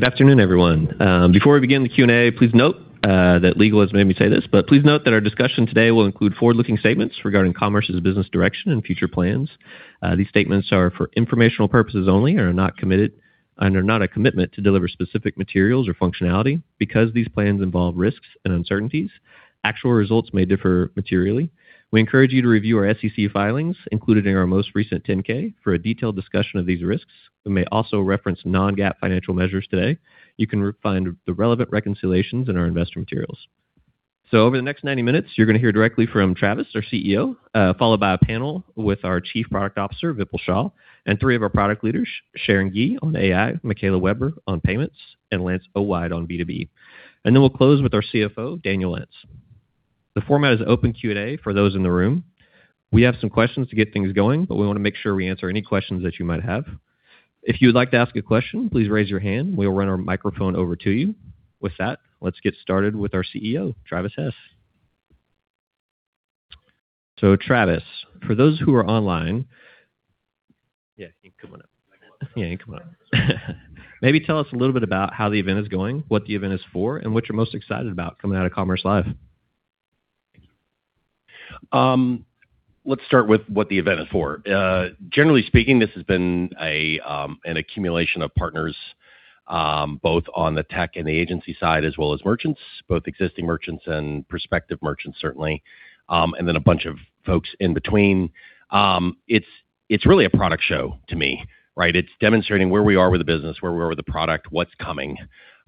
Good afternoon, everyone. Before we begin the Q&A, please note that legal has made me say this, but please note that our discussion today will include forward-looking statements regarding Commerce's business direction and future plans. These statements are for informational purposes only and are not a commitment to deliver specific materials or functionality. Because these plans involve risks and uncertainties, actual results may differ materially. We encourage you to review our SEC filings, included in our most recent 10-K for a detailed discussion of these risks. We may also reference non-GAAP financial measures today. You can find the relevant reconciliations in our investment materials. Over the next 90 minutes, you're gonna hear directly from Travis Hess, our CEO, followed by a panel with our Chief Product Officer, Vipul Shah, and three of our product leaders, Sharon Gee on AI, Michaela Weber on payments, and Lance Owide on B2B. We'll close with our CFO, Daniel Lentz. The format is open Q&A for those in the room. We have some questions to get things going, but we wanna make sure we answer any questions that you might have. If you would like to ask a question, please raise your hand. We will run our microphone over to you. With that, let's get started with our CEO, Travis Hess. Travis, for those who are online. Yeah, you can come on up. Am I going up? Yeah, you can come up. Maybe tell us a little bit about how the event is going, what the event is for, and what you're most excited about coming out of Commerce Live. Thank you. Let's start with what the event is for. Generally speaking, this has been an accumulation of partners, both on the tech and the agency side, as well as merchants, both existing merchants and prospective merchants certainly, and then a bunch of folks in between. It's really a product show to me, right? It's demonstrating where we are with the business, where we are with the product, what's coming,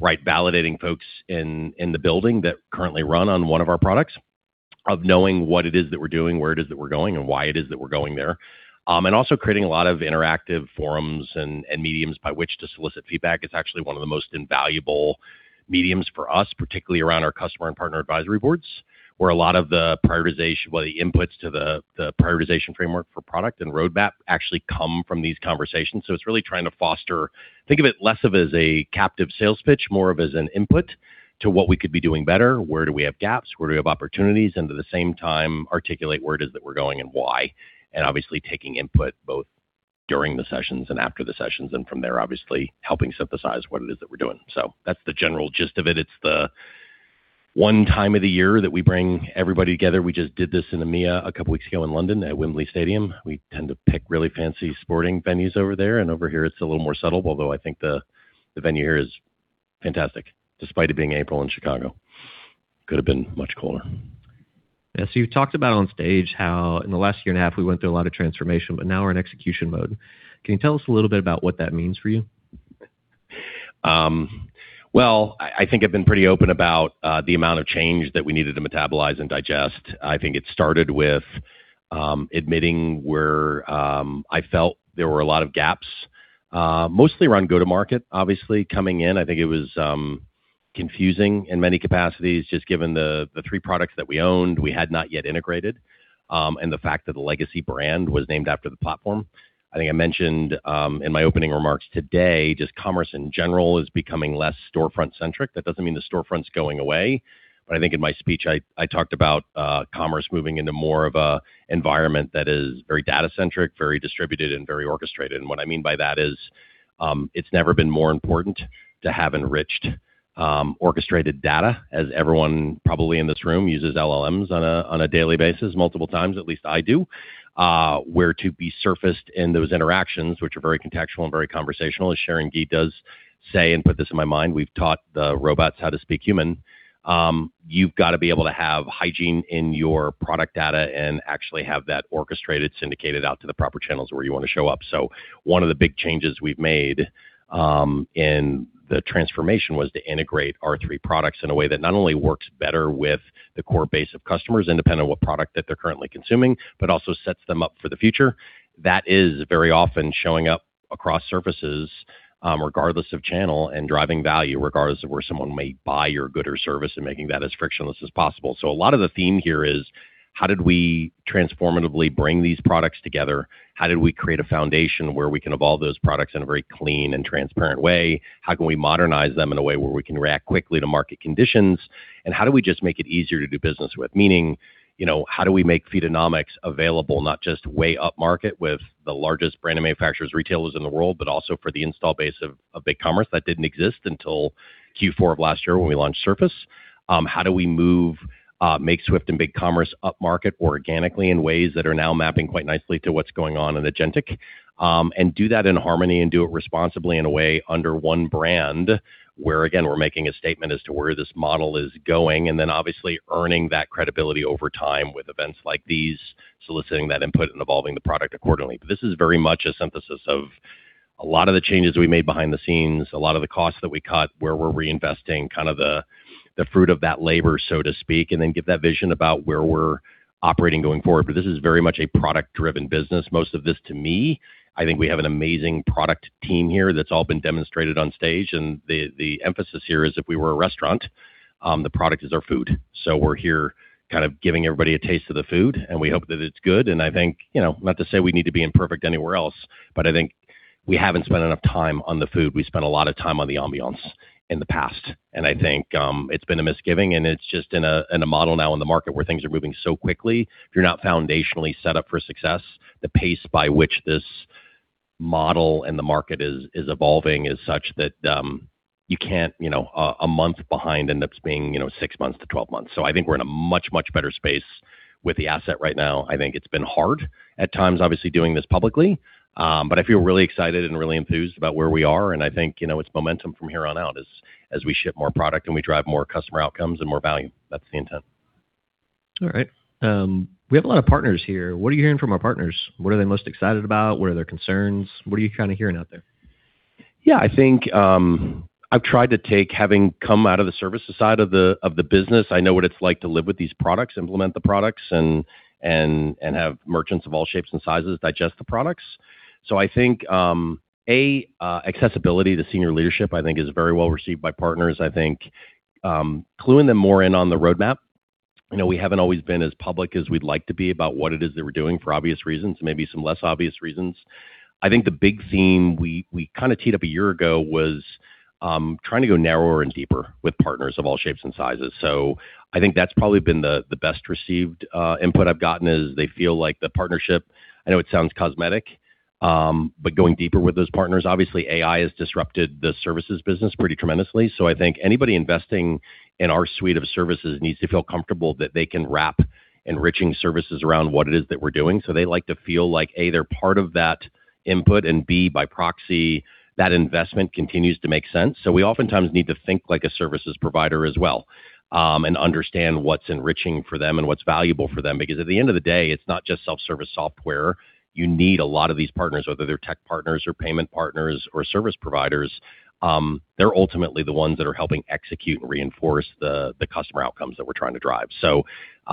right? Validating folks in the building that currently run on one of our products of knowing what it is that we're doing, where it is that we're going, and why it is that we're going there. Also creating a lot of interactive forums and mediums by which to solicit feedback. It's actually one of the most invaluable mediums for us, particularly around our customer and partner advisory boards, where a lot of the prioritization or the inputs to the prioritization framework for product and roadmap actually come from these conversations. It's really trying to foster. Think of it less of as a captive sales pitch, more of as an input to what we could be doing better, where do we have gaps, where do we have opportunities, and at the same time, articulate where it is that we're going and why. Obviously, taking input both during the sessions and after the sessions and from there, obviously, helping synthesize what it is that we're doing. That's the general gist of it. It's the one time of the year that we bring everybody together. We just did this in EMEA a couple weeks ago in London at Wembley Stadium. We tend to pick really fancy sporting venues over there, and over here it's a little more subtle, although I think the venue here is fantastic, despite it being April in Chicago. Could have been much colder. Yeah. You've talked about on stage how in the last year and a half we went through a lot of transformation, but now we're in execution mode. Can you tell us a little bit about what that means for you? I think I've been pretty open about the amount of change that we needed to metabolize and digest. I think it started with admitting where I felt there were a lot of gaps, mostly around go-to-market, obviously. Coming in, I think it was confusing in many capacities, just given the three products that we owned we had not yet integrated, and the fact that the legacy brand was named after the platform. I think I mentioned in my opening remarks today, just commerce in general is becoming less storefront centric. That doesn't mean the storefront's going away. I think in my speech I talked about commerce moving into more of an environment that is very data centric, very distributed, and very orchestrated. What I mean by that is, it's never been more important to have enriched, orchestrated data as everyone probably in this room uses LLMs on a daily basis multiple times, at least I do. Where to be surfaced in those interactions, which are very contextual and very conversational, as Sharon Gee does say and put this in my mind, we've taught the robots how to speak human. You've got to be able to have hygiene in your product data and actually have that orchestrated, syndicated out to the proper channels where you want to show up. One of the big changes we've made in the transformation was to integrate our three products in a way that not only works better with the core base of customers, independent of what product that they're currently consuming, but also sets them up for the future. That is very often showing up across surfaces, regardless of channel and driving value regardless of where someone may buy your good or service and making that as frictionless as possible. A lot of the theme here is how did we transformatively bring these products together? How did we create a foundation where we can evolve those products in a very clean and transparent way? How can we modernize them in a way where we can react quickly to market conditions? How do we just make it easier to do business with? Meaning, you know, how do we make Feedonomics available, not just way upmarket with the largest brand manufacturers, retailers in the world, but also for the install base of BigCommerce that didn't exist until Q4 of last year when we launched Surface? How do we move Makeswift and BigCommerce upmarket organically in ways that are now mapping quite nicely to what's going on in agentic? Do that in harmony and do it responsibly in a way under one brand, where again, we're making a statement as to where this model is going, and then obviously earning that credibility over time with events like these, soliciting that input and evolving the product accordingly. This is very much a synthesis of a lot of the changes we made behind the scenes, a lot of the costs that we cut, where we're reinvesting kind of the fruit of that labor, so to speak, and then give that vision about where we're operating going forward. This is very much a product-driven business. Most of this, to me, I think we have an amazing product team here that's all been demonstrated on stage, and the emphasis here is if we were a restaurant, the product is our food. We're here kind of giving everybody a taste of the food, and we hope that it's good, and I think, you know, not to say we need to be imperfect anywhere else, but I think we haven't spent enough time on the food. We spent a lot of time on the ambiance in the past, and I think it's been a misgiving and it's just in a model now in the market where things are moving so quickly, if you're not foundationally set up for success, the pace by which this model and the market is evolving is such that you can't, you know, a month behind ends up being, you know, six months to 12 months. I think we're in a much better space with the asset right now. I think it's been hard at times, obviously, doing this publicly. I feel really excited and really enthused about where we are, and I think, you know, it's momentum from here on out as we ship more product and we drive more customer outcomes and more value. That's the intent. All right. We have a lot of partners here. What are you hearing from our partners? What are they most excited about? What are their concerns? What are you kinda hearing out there? Yeah. I think I've tried to take, having come out of the services side of the business, I know what it's like to live with these products, implement the products, and have merchants of all shapes and sizes digest the products. I think A, accessibility to senior leadership, I think is very well received by partners. I think cluing them more in on the roadmap. I know we haven't always been as public as we'd like to be about what it is that we're doing for obvious reasons, maybe some less obvious reasons. I think the big theme we kinda teed up a year ago was trying to go narrower and deeper with partners of all shapes and sizes. I think that's probably been the best received input I've gotten, is they feel like the partnership. I know it sounds cosmetic, going deeper with those partners. Obviously, AI has disrupted the services business pretty tremendously, I think anybody investing in our suite of services needs to feel comfortable that they can wrap enriching services around what it is that we're doing. They like to feel like, A, they're part of that input, and B, by proxy, that investment continues to make sense. We oftentimes need to think like a services provider as well, and understand what's enriching for them and what's valuable for them. At the end of the day, it's not just self-service software. You need a lot of these partners, whether they're tech partners or payment partners or service providers. They're ultimately the ones that are helping execute and reinforce the customer outcomes that we're trying to drive.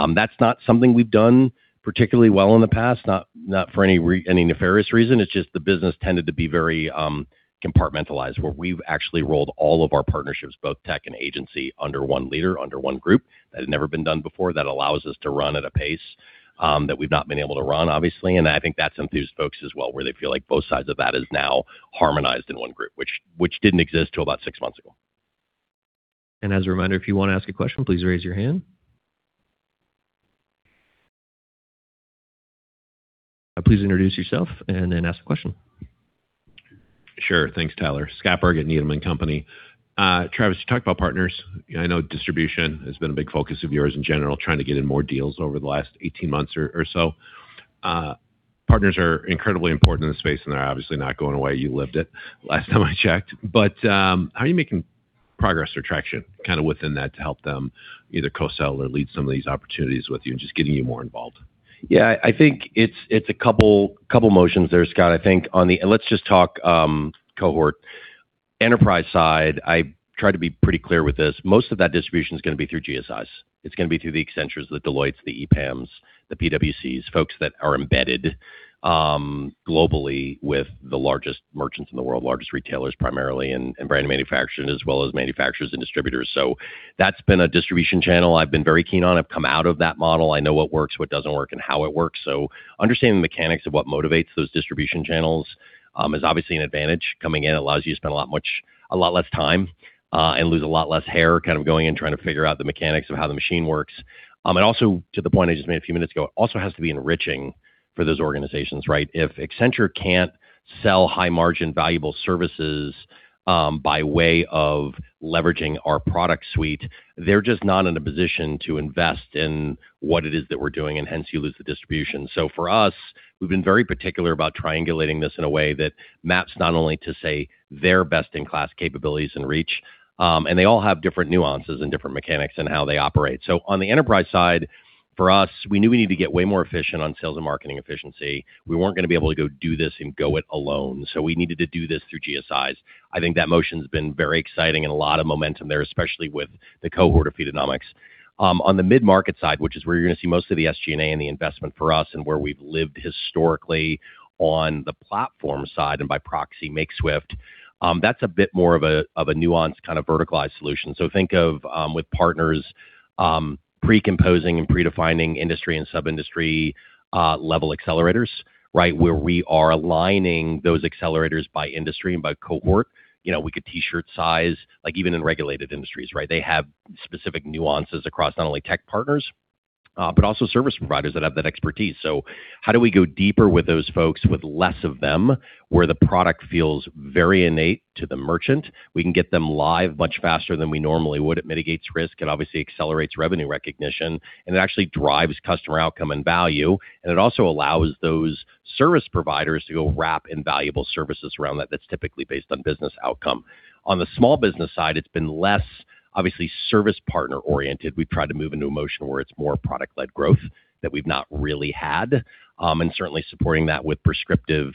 That's not something we've done particularly well in the past, not for any nefarious reason. It's just the business tended to be very compartmentalized, where we've actually rolled all of our partnerships, both tech and agency, under one leader, under one group. That had never been done before. That allows us to run at a pace that we've not been able to run, obviously. I think that's enthused folks as well, where they feel like both sides of that is now harmonized in one group, which didn't exist till about six months ago. As a reminder, if you wanna ask a question, please raise your hand. Please introduce yourself and then ask the question. Sure. Thanks, Tyler. Scott Berg at Needham & Company. Travis, you talked about partners. I know distribution has been a big focus of yours in general, trying to get in more deals over the last 18 months or so. Partners are incredibly important in this space, and they're obviously not going away. You lived it last time I checked. How are you making progress or traction kinda within that to help them either co-sell or lead some of these opportunities with you and just getting you more involved? I think it's a couple motions there, Scott. Let's just talk cohort. Enterprise side, I try to be pretty clear with this. Most of that distribution's gonna be through GSIs. It's gonna be through the Accentures, the Deloittes, the EPAMs, the PWCs, folks that are embedded globally with the largest merchants in the world, largest retailers primarily, and brand manufacturing as well as manufacturers and distributors. That's been a distribution channel I've been very keen on. I've come out of that model. I know what works, what doesn't work, and how it works. Understanding the mechanics of what motivates those distribution channels is obviously an advantage coming in. It allows you to spend a lot much, a lot less time, and lose a lot less hair kind of going in trying to figure out the mechanics of how the machine works. Also to the point I just made a few minutes ago, it also has to be enriching for those organizations, right? If Accenture can't sell high-margin, valuable services, by way of leveraging our product suite, they're just not in a position to invest in what it is that we're doing, hence you lose the distribution. For us, we've been very particular about triangulating this in a way that maps not only to, say, their best-in-class capabilities and reach, they all have different nuances and different mechanics in how they operate. On the enterprise side, for us, we knew we needed to get way more efficient on sales and marketing efficiency. We weren't gonna be able to go do this and go it alone, we needed to do this through GSIs. I think that motion's been very exciting and a lot of momentum there, especially with the cohort of Feedonomics. On the mid-market side, which is where you're gonna see most of the SG&A and the investment for us and where we've lived historically on the platform side, and by proxy Makeswift, that's a bit more of a nuanced, kind of verticalized solution. Think of, with partners, pre-composing and predefining industry and sub-industry, level accelerators, right? Where we are aligning those accelerators by industry and by cohort. You know, we could T-shirt size, like even in regulated industries, right? They have specific nuances across not only tech partners, but also service providers that have that expertise. How do we go deeper with those folks with less of them, where the product feels very innate to the merchant? We can get them live much faster than we normally would. It mitigates risk, it obviously accelerates revenue recognition, and it actually drives customer outcome and value, and it also allows those service providers to go wrap invaluable services around that that's typically based on business outcome. On the small business side, it's been less obviously service partner oriented. We've tried to move into a motion where it's more product-led growth that we've not really had, and certainly supporting that with prescriptive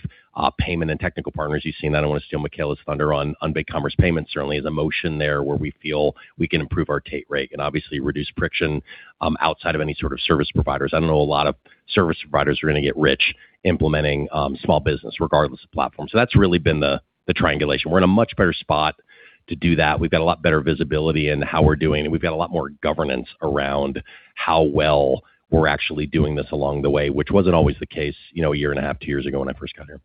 payment and technical partners. You've seen that. I don't wanna steal Michaela's thunder on BigCommerce Payments. Certainly the motion there where we feel we can improve our take rate and obviously reduce friction, outside of any sort of service providers. I don't know a lot of service providers who are gonna get rich implementing, small business regardless of platform. That's really been the triangulation. We're in a much better spot to do that. We've got a lot better visibility in how we're doing, and we've got a lot more governance around how well we're actually doing this along the way, which wasn't always the case, one and a half, two years ago when I first got here.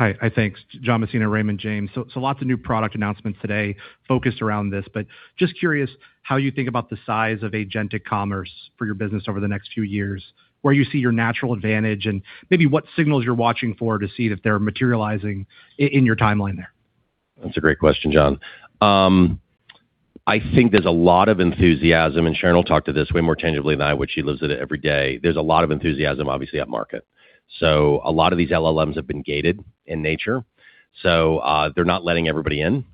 Hi. thanks. John Messina, Raymond James. lots of new product announcements today focused around this, but just curious how you think about the size of agentic commerce for your business over the next few years, where you see your natural advantage, and maybe what signals you're watching for to see if they're materializing in your timeline there. That's a great question, John. I think there's a lot of enthusiasm, and Sharon will talk to this way more tangibly than I would. She lives it every day. There's a lot of enthusiasm, obviously, up-market. A lot of these LLMs have been gated in nature, so they're not letting everybody in.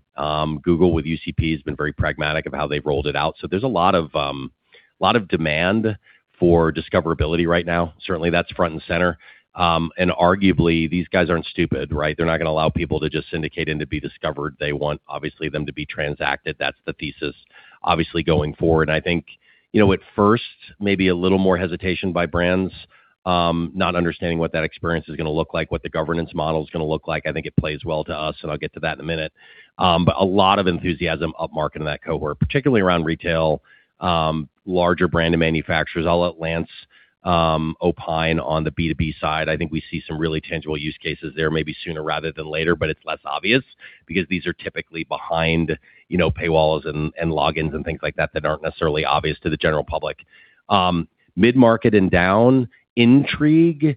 Google with UCP has been very pragmatic of how they've rolled it out. There's a lot of demand for discoverability right now. Certainly, that's front and center. Arguably, these guys aren't stupid, right? They're not gonna allow people to just syndicate in to be discovered. They want, obviously, them to be transacted. That's the thesis, obviously, going forward. I think, you know, at first, maybe a little more hesitation by brands, not understanding what that experience is gonna look like, what the governance model is gonna look like. I think it plays well to us, and I'll get to that in a minute. A lot of enthusiasm up-market in that cohort, particularly around retail, larger brand and manufacturers. I'll let Lance opine on the B2B side. I think we see some really tangible use cases there maybe sooner rather than later, but it's less obvious because these are typically behind, you know, paywalls and logins and things like that that aren't necessarily obvious to the general public. Mid-market and down, intrigue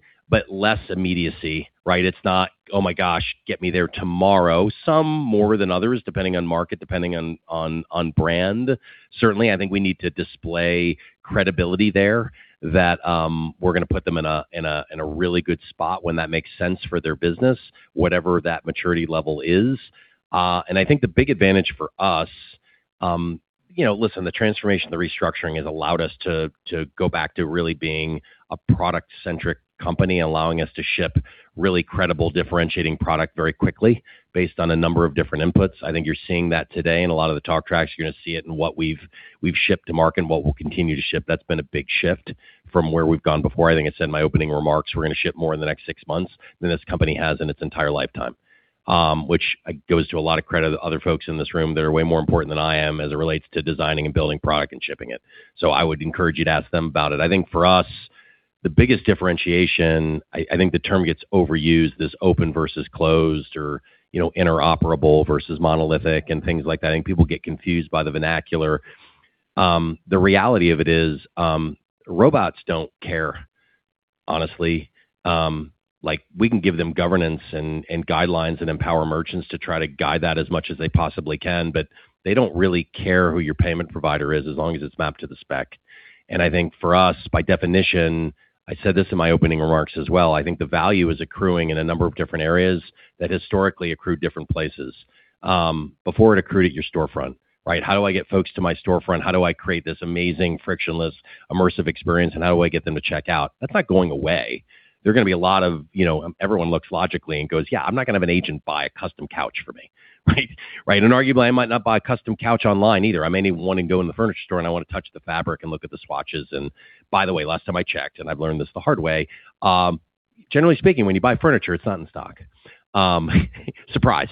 less immediacy, right? It's not, Oh my gosh, get me there tomorrow. Some more than others, depending on market, depending on brand. Certainly, I think we need to display credibility there that we're gonna put them in a really good spot when that makes sense for their business, whatever that maturity level is. I think the big advantage for us, you know, listen, the transformation, the restructuring has allowed us to go back to really being a product-centric company, allowing us to ship really credible, differentiating product very quickly based on a number of different inputs. I think you're seeing that today in a lot of the talk tracks. You're gonna see it in what we've shipped to market and what we'll continue to ship. That's been a big shift from where we've gone before. I think I said in my opening remarks, we're gonna ship more in the next six months than this company has in its entire lifetime. Which goes to a lot of credit to other folks in this room that are way more important than I am as it relates to designing and building product and shipping it. I would encourage you to ask them about it. I think for us, the biggest differentiation, I think the term gets overused, this open versus closed or, you know, interoperable versus monolithic and things like that. I think people get confused by the vernacular. The reality of it is, robots don't care, honestly. Like, we can give them governance and guidelines and empower merchants to try to guide that as much as they possibly can, but they don't really care who your payment provider is as long as it's mapped to the spec. I think for us, by definition, I said this in my opening remarks as well, I think the value is accruing in a number of different areas that historically accrued different places. Before it accrued at your storefront, right? How do I get folks to my storefront? How do I create this amazing, frictionless, immersive experience, and how do I get them to check out? That's not going away. There are gonna be a lot of, you know. Everyone looks logically and goes, "Yeah, I'm not gonna have an agent buy a custom couch for me." Right? Right, and arguably, I might not buy a custom couch online either. I may want to go in the furniture store, and I want to touch the fabric and look at the swatches. By the way, last time I checked, and I've learned this the hard way, generally speaking, when you buy furniture, it's not in stock. Surprise.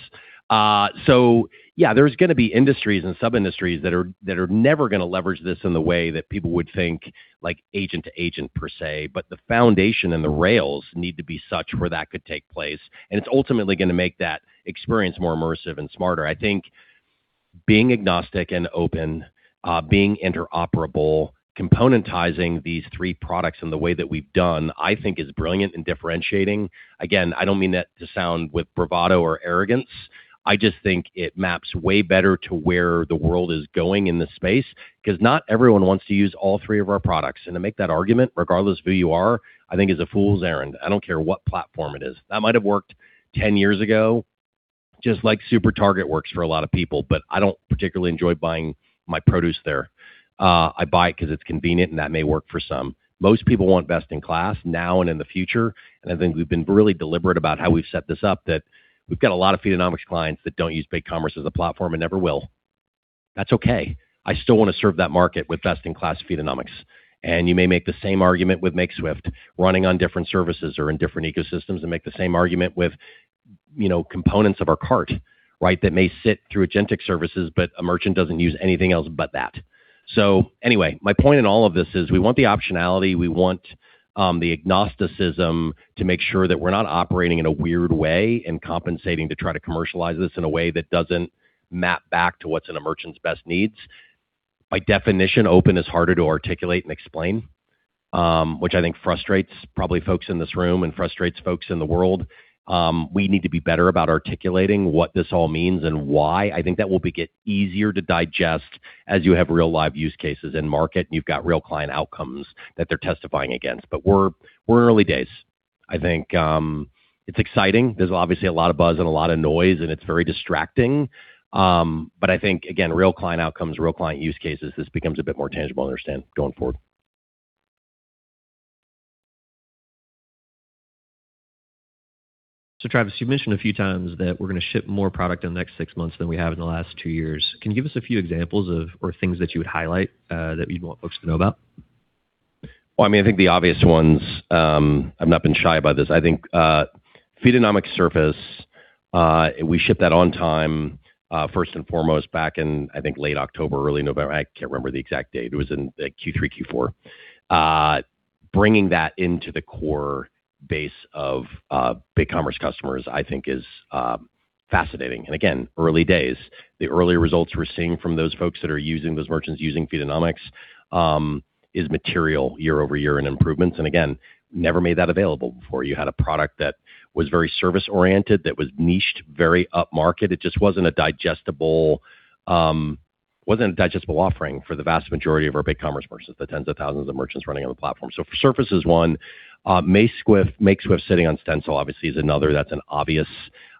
Yeah, there's gonna be industries and sub-industries that are, that are never gonna leverage this in the way that people would think, like agent to agent per se, but the foundation and the rails need to be such where that could take place, and it's ultimately gonna make that experience more immersive and smarter. I think being agnostic and open, being interoperable, componentizing these three products in the way that we've done, I think is brilliant in differentiating. Again, I don't mean that to sound with bravado or arrogance. I just think it maps way better to where the world is going in this space, 'cause not everyone wants to use all three of our products. To make that argument, regardless of who you are, I think is a fool's errand. I don't care what platform it is. That might have worked 10 years ago, just like SuperTarget works for a lot of people, but I don't particularly enjoy buying my produce there. I buy it 'cause it's convenient, and that may work for some. Most people want best in class now and in the future, and I think we've been really deliberate about how we've set this up, that we've got a lot of Feedonomics clients that don't use BigCommerce as a platform and never will. That's okay. I still wanna serve that market with best in class Feedonomics. You may make the same argument with Makeswift running on different services or in different ecosystems and make the same argument with, you know, components of our cart, right? That may sit through agentic services, but a merchant doesn't use anything else but that. Anyway, my point in all of this is we want the optionality. We want the agnosticism to make sure that we're not operating in a weird way and compensating to try to commercialize this in a way that doesn't map back to what's in a merchant's best needs. By definition, open is harder to articulate and explain, which I think frustrates probably folks in this room and frustrates folks in the world. We need to be better about articulating what this all means and why. I think that will beget easier to digest as you have real live use cases in market and you've got real client outcomes that they're testifying against. We're early days. I think it's exciting. There's obviously a lot of buzz and a lot of noise, and it's very distracting. I think, again, real client outcomes, real client use cases, this becomes a bit more tangible to understand going forward. Travis, you've mentioned a few times that we're gonna ship more product in the next six months than we have in the last two years. Can you give us a few examples of, or things that you would highlight, that you'd want folks to know about? Well, I mean, I think the obvious ones, I've not been shy about this. I think, Feedonomics Surface, we shipped that on time, first and foremost back in, I think, late October, early November. I can't remember the exact date. It was in, like, Q3, Q4. Bringing that into the core base of BigCommerce customers, I think is fascinating. Again, early days. The early results we're seeing from those folks that are using those merchants using Feedonomics is material year-over-year in improvements. Again, never made that available before. You had a product that was very service-oriented, that was niched very upmarket. It just wasn't a digestible, wasn't a digestible offering for the vast majority of our BigCommerce merchants, the tens of thousands of merchants running on the platform. For Surface is one. MakeSwift sitting on Stencil obviously is another. That's an obvious,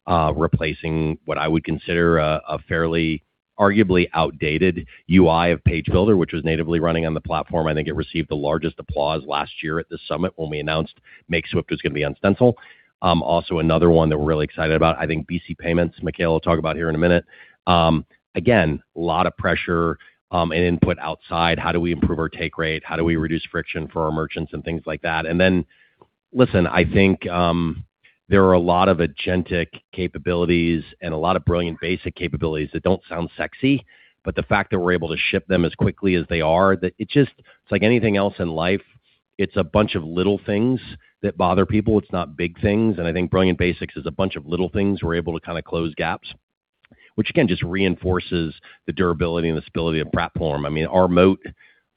replacing what I would consider a fairly arguably outdated UI of Page Builder, which was natively running on the platform. I think it received the largest applause last year at this summit when we announced MakeSwift was gonna be on Stencil. Also another one that we're really excited about, I think BigCommerce Payments, Michaela will talk about here in a minute. Again, a lot of pressure and input outside. How do we improve our take rate? How do we reduce friction for our merchants and things like that? Listen, I think there are a lot of agentic capabilities and a lot of brilliant basic capabilities that don't sound sexy, but the fact that we're able to ship them as quickly as they are. It's like anything else in life, it's a bunch of little things that bother people. It's not big things. I think brilliant basics is a bunch of little things. We're able to kind of close gaps, which again, just reinforces the durability and the stability of the platform. I mean, our moat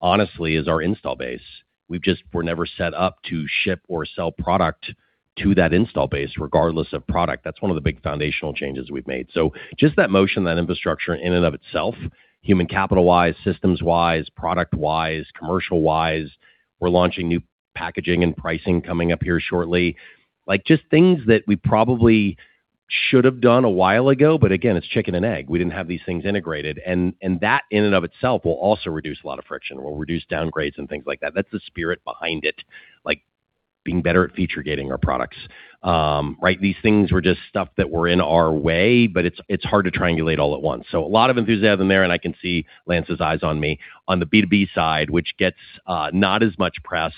honestly is our install base. We're never set up to ship or sell product to that install base regardless of product. That's one of the big foundational changes we've made. Just that motion, that infrastructure in and of itself, human capital-wise, systems-wise, product-wise, commercial-wise. We're launching new packaging and pricing coming up here shortly. Like, just things that we probably should have done a while ago, again, it's chicken and egg. We didn't have these things integrated, and that in and of itself will also reduce a lot of friction. It will reduce downgrades and things like that. That's the spirit behind it, like being better at feature gating our products. Right. These things were just stuff that were in our way, it's hard to triangulate all at once. A lot of enthusiasm there, and I can see Lance's eyes on me. On the B2B side, which gets not as much press,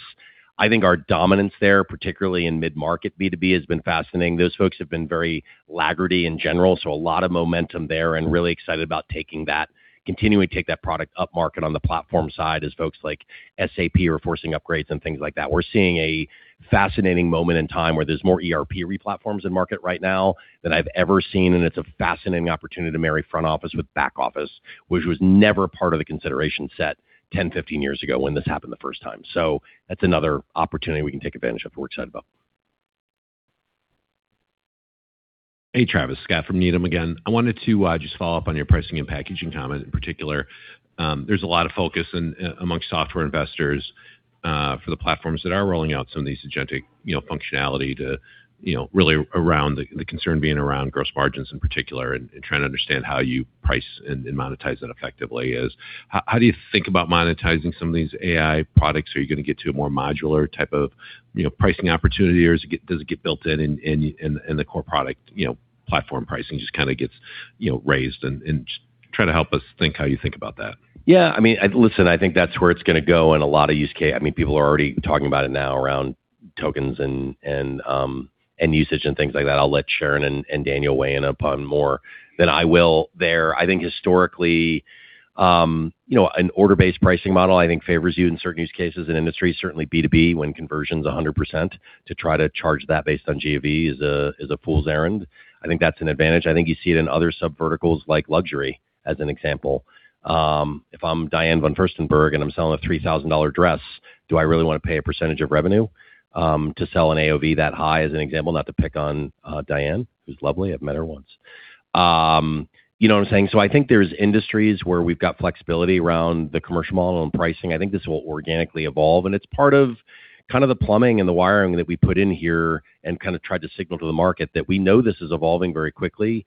I think our dominance there, particularly in mid-market B2B, has been fascinating. Those folks have been very laggardy in general, so a lot of momentum there and really excited about taking that, continuing to take that product upmarket on the platform side as folks like SAP are forcing upgrades and things like that. We're seeing a fascinating moment in time where there's more ERP replatforms in market right now than I've ever seen, and it's a fascinating opportunity to marry front office with back office, which was never part of the consideration set 10, 15 years ago when this happened the first time. That's another opportunity we can take advantage of that we're excited about. Hey, Travis. Scott from Needham again. I wanted to just follow-up on your pricing and packaging comment in particular. There's a lot of focus amongst software investors for the platforms that are rolling out some of these agentic functionality really around concern being around gross margins in particular trying to understand how you price and monetize that effectively. How do you think about monetizing some of these AI products? Are you gonna get to a more modular type of pricing opportunity, or does it get built in the core product? Platform pricing just gets raised just try to help us think how you think about that. Yeah, I mean, Listen, I think that's where it's gonna go in a lot of use. I mean, people are already talking about it now around tokens and usage and things like that. I'll let Sharon and Daniel weigh in upon more than I will there. I think historically, you know, an order-based pricing model I think favors you in certain use cases and industries. Certainly B2B, when conversion's 100%, to try to charge that based on GMV is a fool's errand. I think that's an advantage. I think you see it in other subverticals like luxury, as an example. If I'm Diane von Furstenberg and I'm selling a $3,000 dress, do I really wanna pay a percentage of revenue to sell an AOV that high, as an example? Not to pick on Diane, who's lovely. I've met her once. You know what I'm saying? I think there's industries where we've got flexibility around the commercial model and pricing. I think this will organically evolve, and it's part of kind of the plumbing and the wiring that we put in here and kind of tried to signal to the market that we know this is evolving very quickly.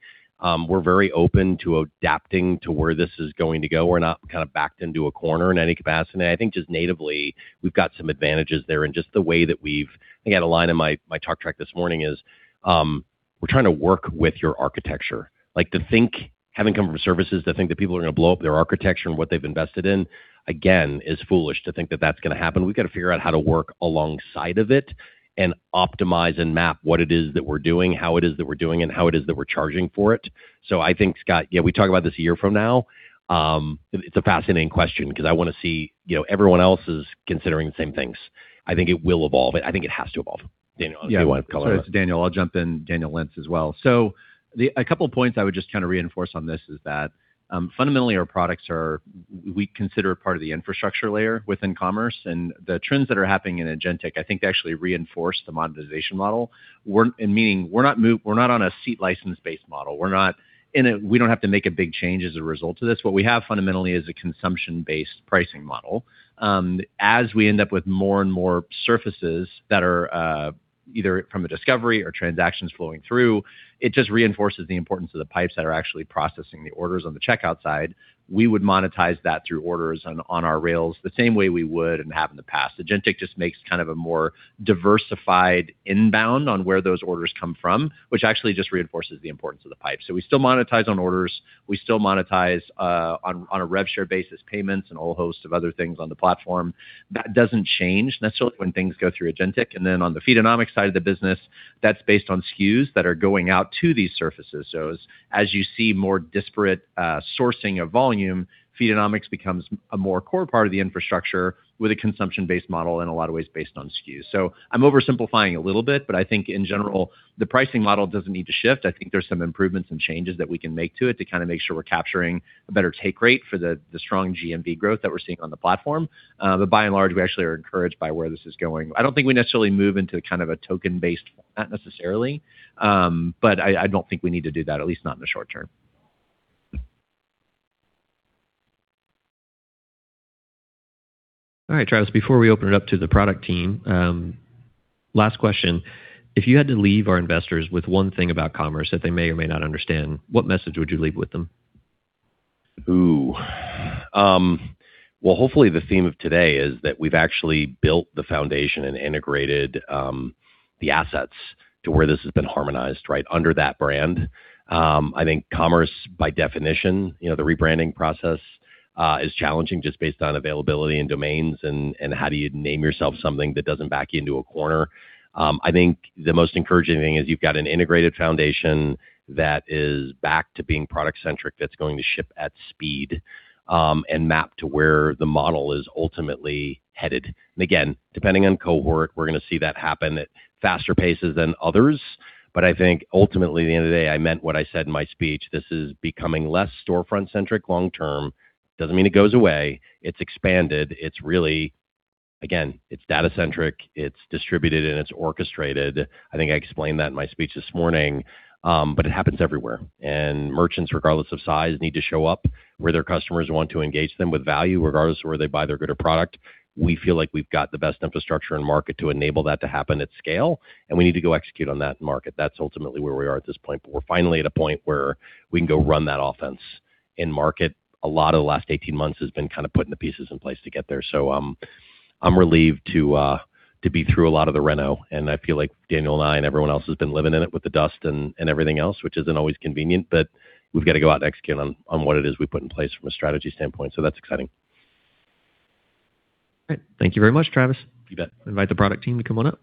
We're very open to adapting to where this is going to go. We're not kind of backed into a corner in any capacity. I think just natively, we've got some advantages there. I think I had a line in my talk track this morning is, we're trying to work with your architecture. like to think, having come from services, to think that people are gonna blow up their architecture and what they've invested in, again, is foolish to think that that's gonna happen. We've got to figure out how to work alongside of it and optimize and map what it is that we're doing, how it is that we're doing, and how it is that we're charging for it. I think, Scott, yeah, we talk about this a year from now. It's a fascinating question because I wanna see. You know, everyone else is considering the same things. I think it will evolve. I think it has to evolve. Daniel, do you wanna comment on that? Yeah. Sorry, it's Daniel. I'll jump in, Daniel Lentz as well. A couple points I would just kind of reinforce on this is that, fundamentally, we consider it part of the infrastructure layer within commerce, and the trends that are happening in agentic I think actually reinforce the monetization model. Meaning we're not on a seat license-based model. We don't have to make a big change as a result of this. What we have fundamentally is a consumption-based pricing model. As we end up with more and more surfaces that are. Either from a discovery or transactions flowing through, it just reinforces the importance of the pipes that are actually processing the orders on the checkout side. We would monetize that through orders on our rails the same way we would and have in the past. Agentic just makes kind of a more diversified inbound on where those orders come from, which actually just reinforces the importance of the pipe. We still monetize on orders, we still monetize on a rev share basis payments, and a whole host of other things on the platform. That doesn't change necessarily when things go through Agentic. On the Feedonomics side of the business, that's based on SKUs that are going out to these surfaces. As you see more disparate sourcing of volume, Feedonomics becomes a more core part of the infrastructure with a consumption-based model in a lot of ways based on SKUs. I'm oversimplifying a little bit, but I think in general, the pricing model doesn't need to shift. I think there's some improvements and changes that we can make to it to kinda make sure we're capturing a better take rate for the strong GMV growth that we're seeing on the platform. By and large, we actually are encouraged by where this is going. I don't think we necessarily move into kind of a token-based, not necessarily. I don't think we need to do that, at least not in the short-term. All right, Travis, before we open it up to the product team, last question. If you had to leave our investors with one thing about Commerce that they may or may not understand, what message would you leave with them? Well, hopefully the theme of today is that we've actually built the foundation and integrated the assets to where this has been harmonized, right, under that brand. I think Commerce by definition, you know, the rebranding process is challenging just based on availability and domains and how do you name yourself something that doesn't back you into a corner. I think the most encouraging thing is you've got an integrated foundation that is back to being product-centric that's going to ship at speed and map to where the model is ultimately headed. Again, depending on cohort, we're going to see that happen at faster paces than others. I think ultimately, at the end of the day, I meant what I said in my speech. This is becoming less storefront-centric long-term. Doesn't mean it goes away. It's expanded. It's really again, it's data-centric, it's distributed, and it's orchestrated. I think I explained that in my speech this morning. It happens everywhere. Merchants, regardless of size, need to show up where their customers want to engage them with value, regardless of where they buy their good or product. We feel like we've got the best infrastructure and market to enable that to happen at scale, and we need to go execute on that market. That's ultimately where we are at this point, but we're finally at a point where we can go run that offense. In market, a lot of the last 18 months has been kind of putting the pieces in place to get there. I'm relieved to be through a lot of the reno, and I feel like Daniel and I and everyone else has been living in it with the dust and everything else, which isn't always convenient, but we've got to go out and execute on what it is we've put in place from a strategy standpoint, so that's exciting. Great. Thank you very much, Travis. You bet. Invite the product team to come on up.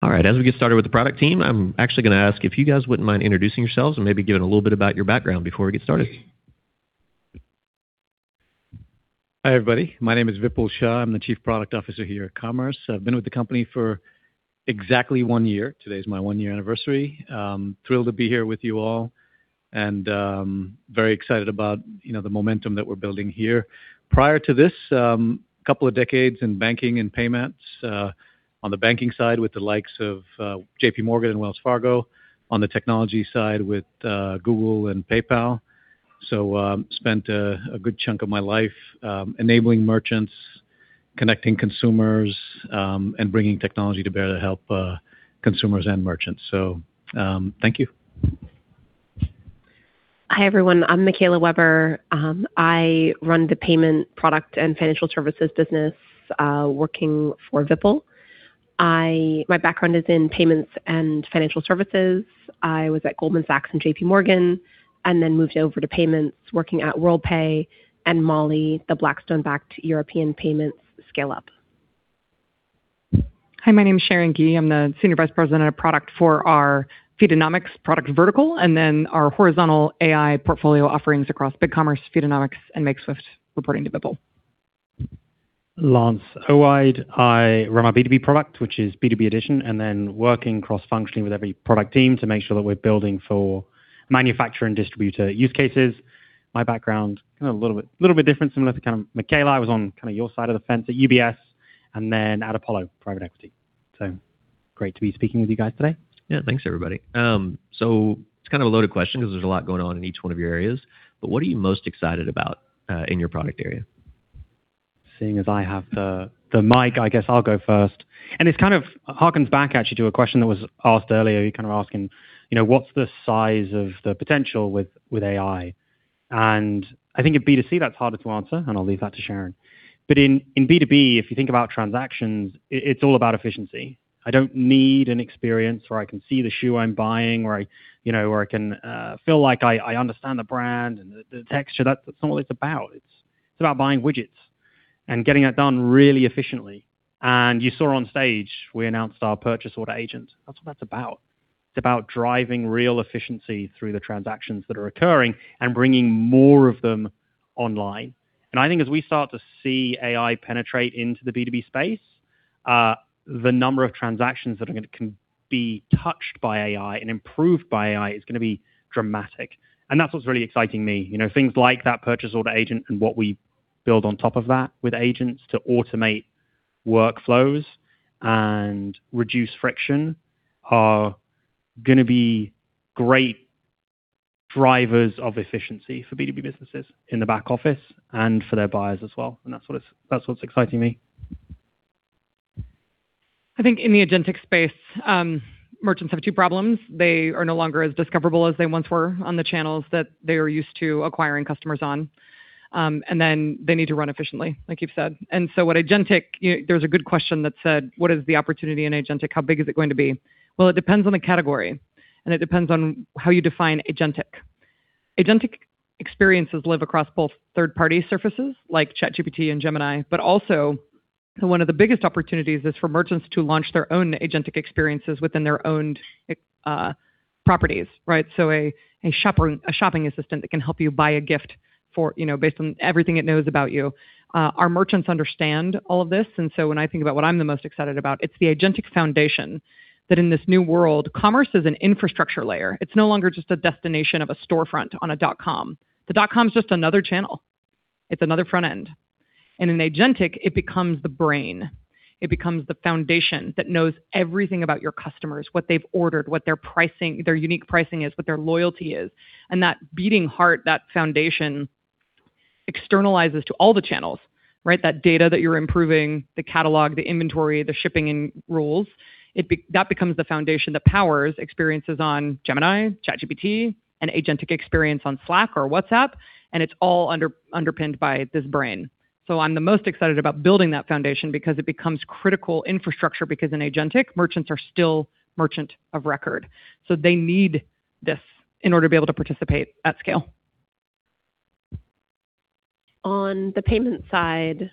All right, as we get started with the product team, I'm actually gonna ask if you guys wouldn't mind introducing yourselves and maybe giving a little bit about your background before we get started. Hi, everybody. My name is Vipul Shah. I'm the chief product officer here at Commerce. I've been with the company for exactly one-year. Today is my one-year anniversary. I'm thrilled to be here with you all, and very excited about, you know, the momentum that we're building here. Prior to this, two decades in banking and payments, on the banking side with the likes of JP Morgan and Wells Fargo, on the technology side with Google and PayPal. Spent a good chunk of my life enabling merchants, connecting consumers, and bringing technology to bear to help consumers and merchants. Thank you. Hi, everyone. I'm Michaela Weber. I run the payment product and financial services business, working for Vipul. My background is in payments and financial services. I was at Goldman Sachs and JP Morgan, and then moved over to payments working at Worldpay and Mollie, the Blackstone-backed European payments scale-up. Hi, my name is Sharon Gee. I'm the senior vice president of product for our Feedonomics product vertical, and then our horizontal AI portfolio offerings across BigCommerce, Feedonomics, and Makeswift, reporting to Vipul. Lance Owide. I run our B2B product, which is B2B Edition, then working cross-functionally with every product team to make sure that we're building for manufacturer and distributor use cases. My background, kind of a little bit different, similar to kind of Michaela. I was on kind of your side of the fence at UBS, and then at Apollo Global Management. Great to be speaking with you guys today. Yeah. Thanks, everybody. It's kind of a loaded question 'cause there's a lot going on in each one of your areas, what are you most excited about in your product area? Seeing as I have the mic, I guess I'll go first. It kind of harkens back actually to a question that was asked earlier. You're kind of asking, you know, what's the size of the potential with AI? I think at B2C, that's harder to answer, and I'll leave that to Sharon. In B2B, if you think about transactions, it's all about efficiency. I don't need an experience where I can see the shoe I'm buying or I, you know, or I can feel like I understand the brand and the texture. That's not what it's about. It's about buying widgets and getting that done really efficiently. You saw on stage, we announced our purchase order agent. That's what that's about. It's about driving real efficiency through the transactions that are occurring and bringing more of them online. I think as we start to see AI penetrate into the B2B space, the number of transactions that can be touched by AI and improved by AI is gonna be dramatic. That's what's really exciting me. You know, things like that purchase order agent and what we build on top of that with agents to automate workflows and reduce friction are gonna be great drivers of efficiency for B2B businesses in the back office and for their buyers as well. That's what's exciting me. I think in the agentic space, merchants have two problems. They are no longer as discoverable as they once were on the channels that they were used to acquiring customers on. Then they need to run efficiently, like you've said. There's a good question that said, "What is the opportunity in agentic? How big is it going to be?" It depends on the category, and it depends on how you define agentic. Agentic experiences live across both third-party surfaces like ChatGPT and Gemini, but also one of the biggest opportunities is for merchants to launch their own agentic experiences within their own properties, right? A shopping assistant that can help you buy a gift for, you know, based on everything it knows about you. Our merchants understand all of this, when I think about what I'm the most excited about, it's the agentic foundation that in this new world, commerce is an infrastructure layer. It's no longer just a destination of a storefront on a dot com. The dot com's just another channel. It's another front end. In agentic, it becomes the brain. It becomes the foundation that knows everything about your customers, what they've ordered, what their pricing, their unique pricing is, what their loyalty is. That beating heart, that foundation, externalizes to all the channels, right? That data that you're improving, the catalog, the inventory, the shipping and rules, that becomes the foundation that powers experiences on Gemini, ChatGPT, an agentic experience on Slack or WhatsApp, and it's all underpinned by this brain. I'm the most excited about building that foundation because it becomes critical infrastructure because in agentic, merchants are still merchant of record. They need this in order to be able to participate at scale. On the payment side,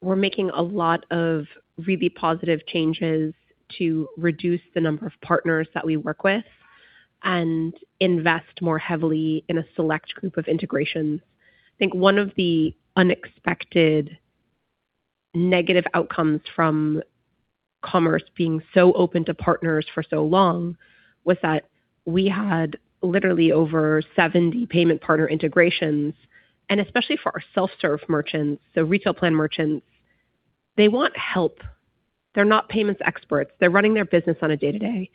we're making a lot of really positive changes to reduce the number of partners that we work with and invest more heavily in a select group of integrations. I think one of the unexpected negative outcomes from Commerce.com being so open to partners for so long was that we had literally over 70 payment partner integrations, and especially for our self-serve merchants, so retail plan merchants, they want help. They're not payments experts. They're running their business on a day-to-day.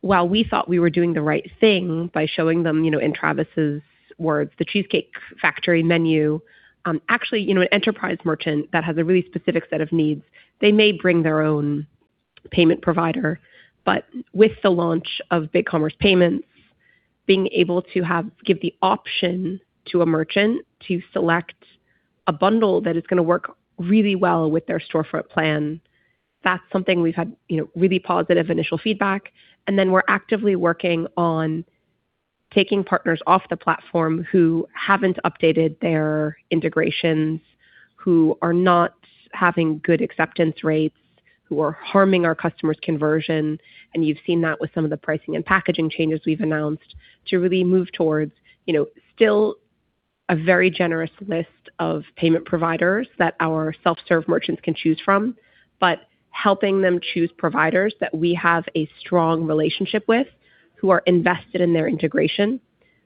While we thought we were doing the right thing by showing them, you know, in Travis's words, The Cheesecake Factory menu, actually, you know, an enterprise merchant that has a really specific set of needs, they may bring their own payment provider. With the launch of BigCommerce Payments, give the option to a merchant to select a bundle that is going to work really well with their storefront plan, that's something we've had, you know, really positive initial feedback. We're actively working on taking partners off the platform who haven't updated their integrations, who are not having good acceptance rates, who are harming our customers' conversion. You've seen that with some of the pricing and packaging changes we've announced to really move towards, you know, still a very generous list of payment providers that our self-serve merchants can choose from, but helping them choose providers that we have a strong relationship with, who are invested in their integration,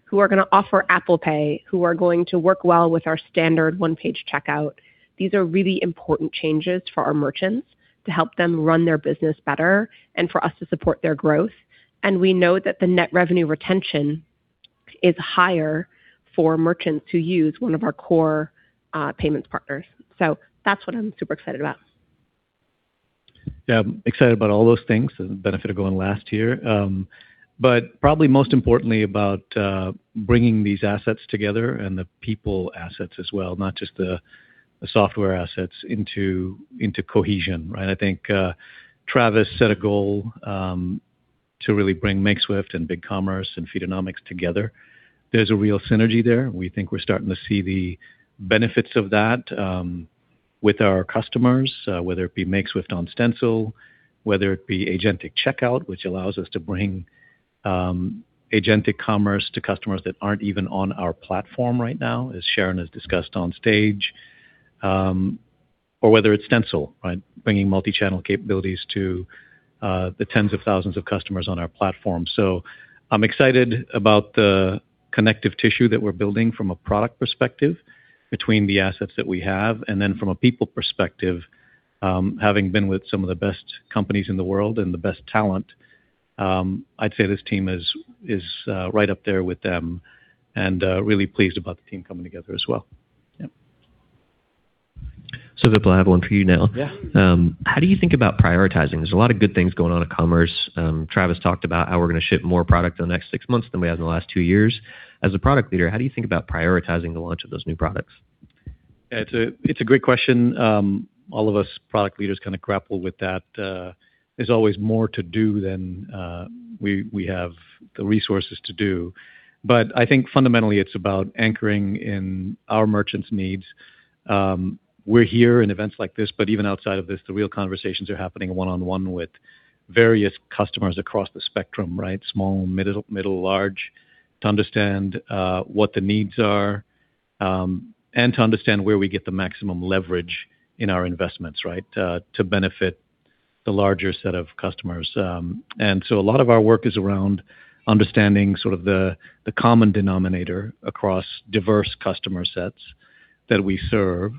who are going to offer Apple Pay, who are going to work well with our standard one-page checkout. These are really important changes for our merchants to help them run their business better and for us to support their growth. We know that the net revenue retention is higher for merchants who use one of our core, payments partners. That's what I'm super excited about. Yeah, I'm excited about all those things, the benefit of going last here. Probably most importantly about bringing these assets together and the people assets as well, not just the software assets into cohesion, right? I think Travis set a goal to really bring Makeswift and BigCommerce and Feedonomics together. There's a real synergy there. We think we're starting to see the benefits of that with our customers, whether it be Makeswift on Stencil, whether it be agentic checkout, which allows us to bring agentic commerce to customers that aren't even on our platform right now, as Sharon has discussed on stage, or whether it's Stencil, right? Bringing multi-channel capabilities to the tens of thousands of customers on our platform. I'm excited about the connective tissue that we're building from a product perspective between the assets that we have, and then from a people perspective, having been with some of the best companies in the world and the best talent, I'd say this team is right up there with them and really pleased about the team coming together as well. Vipul, I have one for you now. Yeah. How do you think about prioritizing? There's a lot of good things going on at Commerce. Travis talked about how we're gonna ship more product in the next six months than we have in the last two years. As a product leader, how do you think about prioritizing the launch of those new products? It's a great question. All of us product leaders kind of grapple with that. There's always more to do than we have the resources to do. I think fundamentally it's about anchoring in our merchants' needs. We're here in events like this, but even outside of this, the real conversations are happening one-on-one with various customers across the spectrum, right? Small, middle, large, to understand what the needs are. And to understand where we get the maximum leverage in our investments, right? To benefit the larger set of customers. A lot of our work is around understanding sort of the common denominator across diverse customer sets that we serve,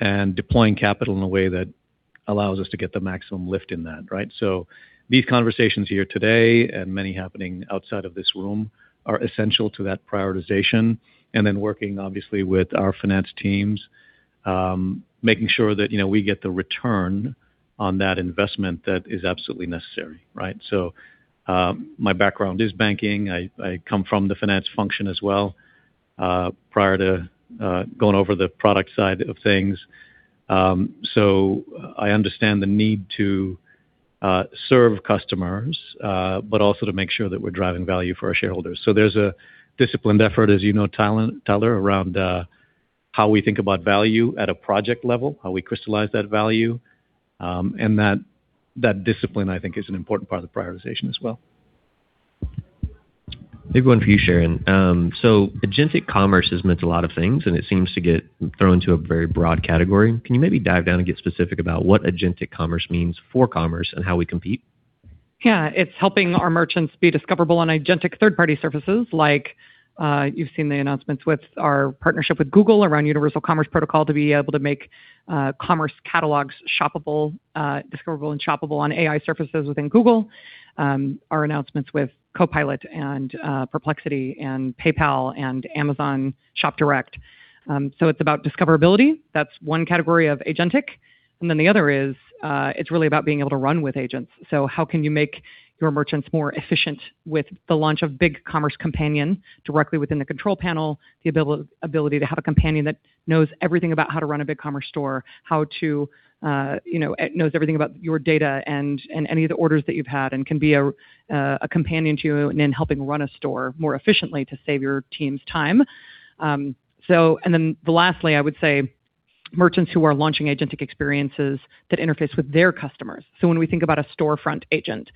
and deploying capital in a way that allows us to get the maximum lift in that, right? These conversations here today, and many happening outside of this room, are essential to that prioritization. Working obviously with our finance teams, making sure that, you know, we get the return on that investment that is absolutely necessary, right? My background is banking. I come from the finance function as well, prior to going over the product side of things. I understand the need to serve customers, but also to make sure that we're driving value for our shareholders. There's a disciplined effort, as you know, Tyler, around how we think about value at a project level, how we crystallize that value, and that discipline, I think, is an important part of the prioritization as well. Big one for you, Sharon. Agentic commerce has meant a lot of things, and it seems to get thrown into a very broad category. Can you maybe dive down and get specific about what agentic commerce means for commerce and how we compete? Yeah. It's helping our merchants be discoverable on agentic third-party surfaces like, you've seen the announcements with our partnership with Google around Universal Commerce Protocol to be able to make commerce catalogs shoppable, discoverable and shoppable on AI surfaces within Google. Our announcements with Copilot and Perplexity and PayPal and Amazon Shop Direct. It's about discoverability. That's one category of agentic. The other is, it's really about being able to run with agents. How can you make your merchants more efficient with the launch of BigCommerce companion directly within the control panel? The ability to have a companion that knows everything about how to run a BigCommerce store, how to, you know, it knows everything about your data and any of the orders that you've had, and can be a companion to you in helping run a store more efficiently to save your team's time. Lastly, I would say merchants who are launching agentic experiences that interface with their customers. When we think about a storefront agent,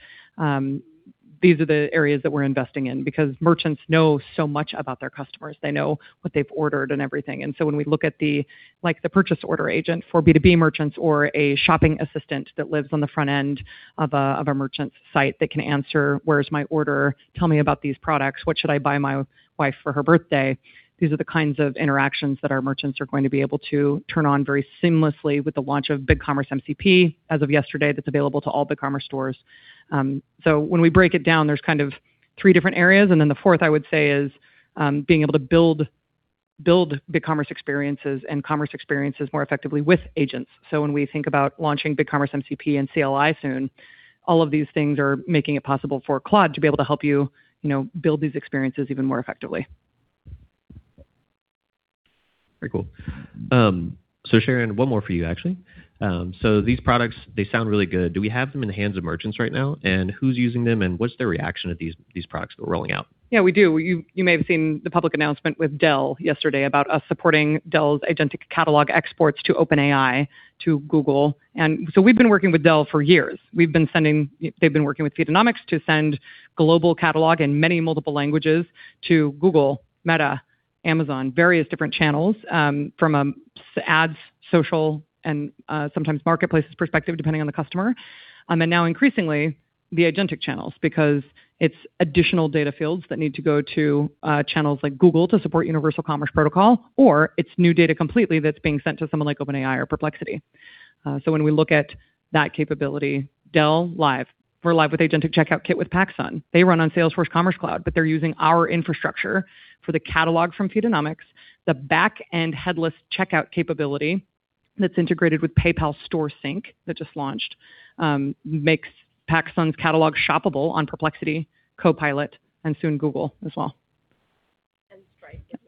these are the areas that we're investing in because merchants know so much about their customers. They know what they've ordered and everything. When we look at the, like the purchase order agent for B2B merchants or a shopping assistant that lives on the front end of a merchant's site that can answer, "Where's my order? Tell me about these products. What should I buy my wife for her birthday?" These are the kinds of interactions that our merchants are going to be able to turn on very seamlessly with the launch of BigCommerce MCP as of yesterday, that's available to all BigCommerce stores. When we break it down, there's kind of three different areas. Then the fourth, I would say, is being able to build BigCommerce experiences and commerce experiences more effectively with agents. When we think about launching BigCommerce MCP and CLI soon, all of these things are making it possible for Claude to be able to help you know, build these experiences even more effectively. Very cool. Sharon, one more for you, actually. These products, they sound really good. Do we have them in the hands of merchants right now? Who's using them, and what's their reaction to these products that we're rolling out? Yeah, we do. You may have seen the public announcement with Dell yesterday about us supporting Dell's agentic catalog exports to OpenAI, to Google. We've been working with Dell for years. They've been working with Feedonomics to send global catalog in many multiple languages to Google, Meta, Amazon, various different channels, from ads, social, and sometimes marketplaces perspective, depending on the customer. Now increasingly, the agentic channels, because it's additional data fields that need to go to channels like Google to support Universal Commerce Protocol, or it's new data completely that's being sent to someone like OpenAI or Perplexity. When we look at that capability, Dell Live. We're live with Agentic Checkout Kit with PacSun. They run on Salesforce Commerce Cloud, but they're using our infrastructure for the catalog from Feedonomics, the back-end headless checkout capability that's integrated with PayPal Store Sync that just launched, makes PacSun's catalog shoppable on Perplexity, Copilot, and soon Google as well. Stripe getting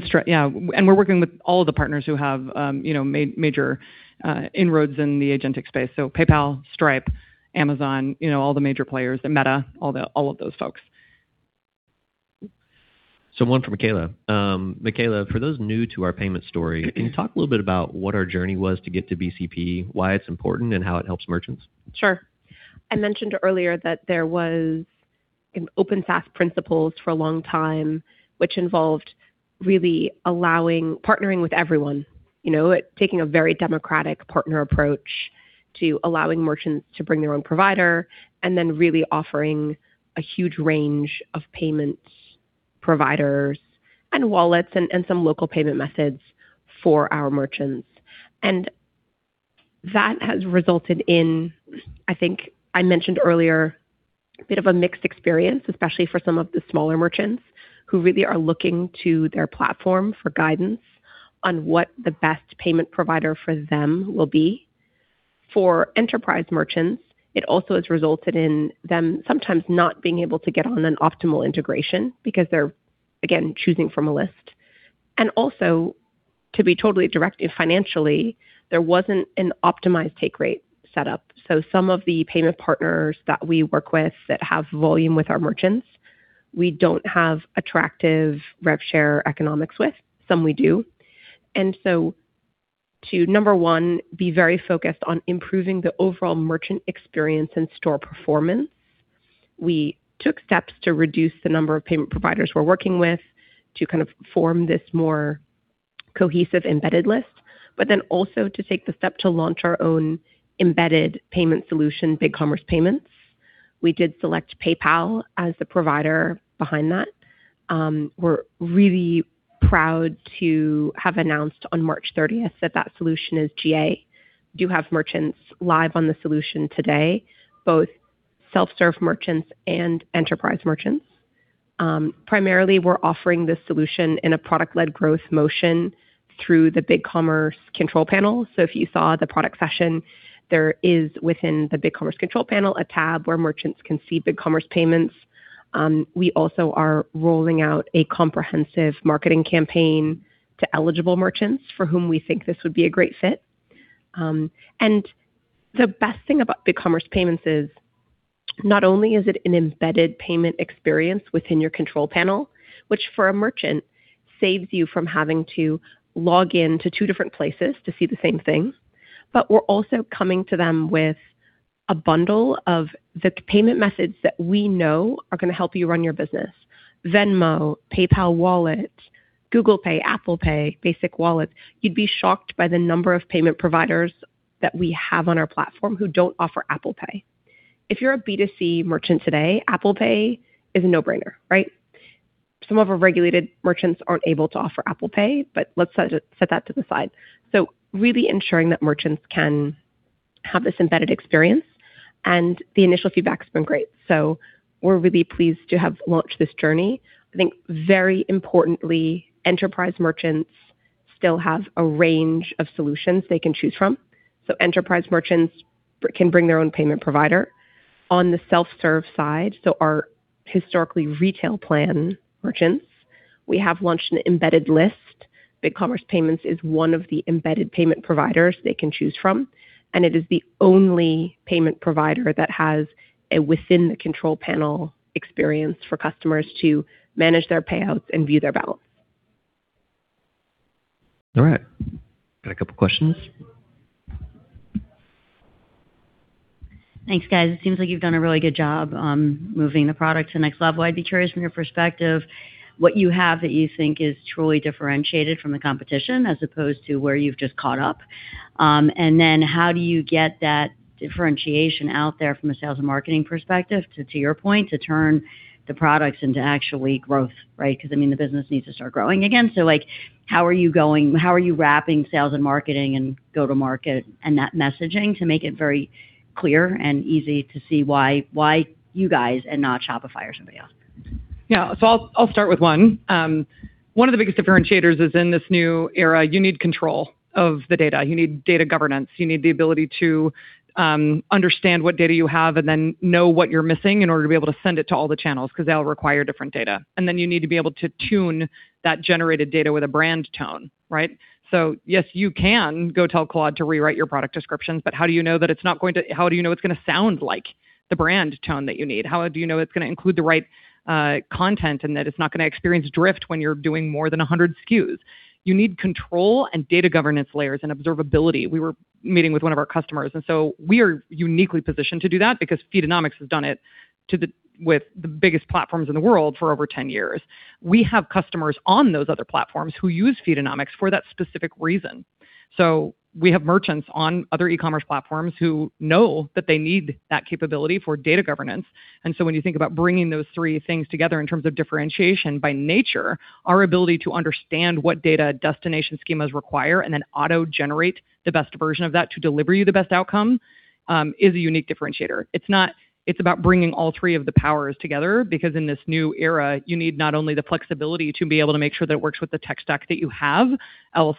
along. Stripe, yeah. We're working with all of the partners who have, you know, major inroads in the agentic space. PayPal, Stripe, Amazon, you know, all the major players, and Meta, all of those folks. one for Michaela. Michaela, for those new to our payment story. Mm-hmm can you talk a little bit about what our journey was to get to BCP, why it's important, and how it helps merchants? Sure. I mentioned earlier that there was an open SaaS principles for a long time, which involved really allowing partnering with everyone. You know, taking a very democratic partner approach to allowing merchants to bring their own provider, and then really offering a huge range of payments, providers, and wallets and some local payment methods for our merchants. That has resulted in, I think I mentioned earlier, a bit of a mixed experience, especially for some of the smaller merchants who really are looking to their platform for guidance on what the best payment provider for them will be. For enterprise merchants, it also has resulted in them sometimes not being able to get on an optimal integration because they're, again, choosing from a list. Also, to be totally direct financially, there wasn't an optimized take rate set up. Some of the payment partners that we work with that have volume with our merchants, we don't have attractive rev share economics with. Some we do. To number one, be very focused on improving the overall merchant experience and store performance. We took steps to reduce the number of payment providers we're working with to kind of form this more cohesive embedded list, but then also to take the step to launch our own embedded payment solution, BigCommerce Payments. We did select PayPal as the provider behind that. We're really proud to have announced on March 30th that that solution is GA. Do have merchants live on the solution today, both self-serve merchants and enterprise merchants. Primarily, we're offering this solution in a product-led growth motion through the BigCommerce control panel. If you saw the product session, there is within the BigCommerce control panel, a tab where merchants can see BigCommerce Payments. We also are rolling out a comprehensive marketing campaign to eligible merchants for whom we think this would be a great fit. The best thing about BigCommerce Payments is not only is it an embedded payment experience within your control panel, which for a merchant saves you from having to log in to two different places to see the same thing, but we're also coming to them with a bundle of the payment methods that we know are gonna help you run your business. Venmo, PayPal Wallets, Google Pay, Apple Pay, basic wallets. You'd be shocked by the number of payment providers that we have on our platform who don't offer Apple Pay. If you're a B2C merchant today, Apple Pay is a no-brainer, right? Some of our regulated merchants aren't able to offer Apple Pay, let's set that to the side. Really ensuring that merchants can have this embedded experience, and the initial feedback's been great. We're really pleased to have launched this journey. I think very importantly, enterprise merchants still have a range of solutions they can choose from. Enterprise merchants can bring their own payment provider. On the self-serve side, so our historically retail plan merchants, we have launched an embedded list. BigCommerce Payments is one of the embedded payment providers they can choose from, and it is the only payment provider that has a within the control panel experience for customers to manage their payouts and view their balance. All right. Got a couple questions. Thanks, guys. It seems like you've done a really good job on moving the product to the next level. I'd be curious from your perspective, what you have that you think is truly differentiated from the competition as opposed to where you've just caught up. how do you get that differentiation out there from a sales and marketing perspective to your point, to turn the products into actually growth, right? I mean, the business needs to start growing again. like, how are you wrapping sales and marketing and go to market and that messaging to make it very clear and easy to see why you guys and not Shopify or somebody else? Yeah. I'll start with one. One of the biggest differentiators is in this new era, you need control of the data. You need data governance. You need the ability to understand what data you have and then know what you're missing in order to be able to send it to all the channels 'cause they all require different data. You need to be able to tune that generated data with a brand tone, right? Yes, you can go tell Claude to rewrite your product descriptions, but how do you know it's gonna sound like the brand tone that you need? How do you know it's gonna include the right content and that it's not gonna experience drift when you're doing more than 100 SKUs? You need control and data governance layers and observability. We were meeting with one of our customers, we are uniquely positioned to do that because Feedonomics has done it with the biggest platforms in the world for over 10 years. We have customers on those other platforms who use Feedonomics for that specific reason. We have merchants on other e-commerce platforms who know that they need that capability for data governance. When you think about bringing those three things together in terms of differentiation by nature, our ability to understand what data destination schemas require and then auto-generate the best version of that to deliver you the best outcome, is a unique differentiator. It's about bringing all three of the powers together because in this new era, you need not only the flexibility to be able to make sure that it works with the tech stack that you have, else,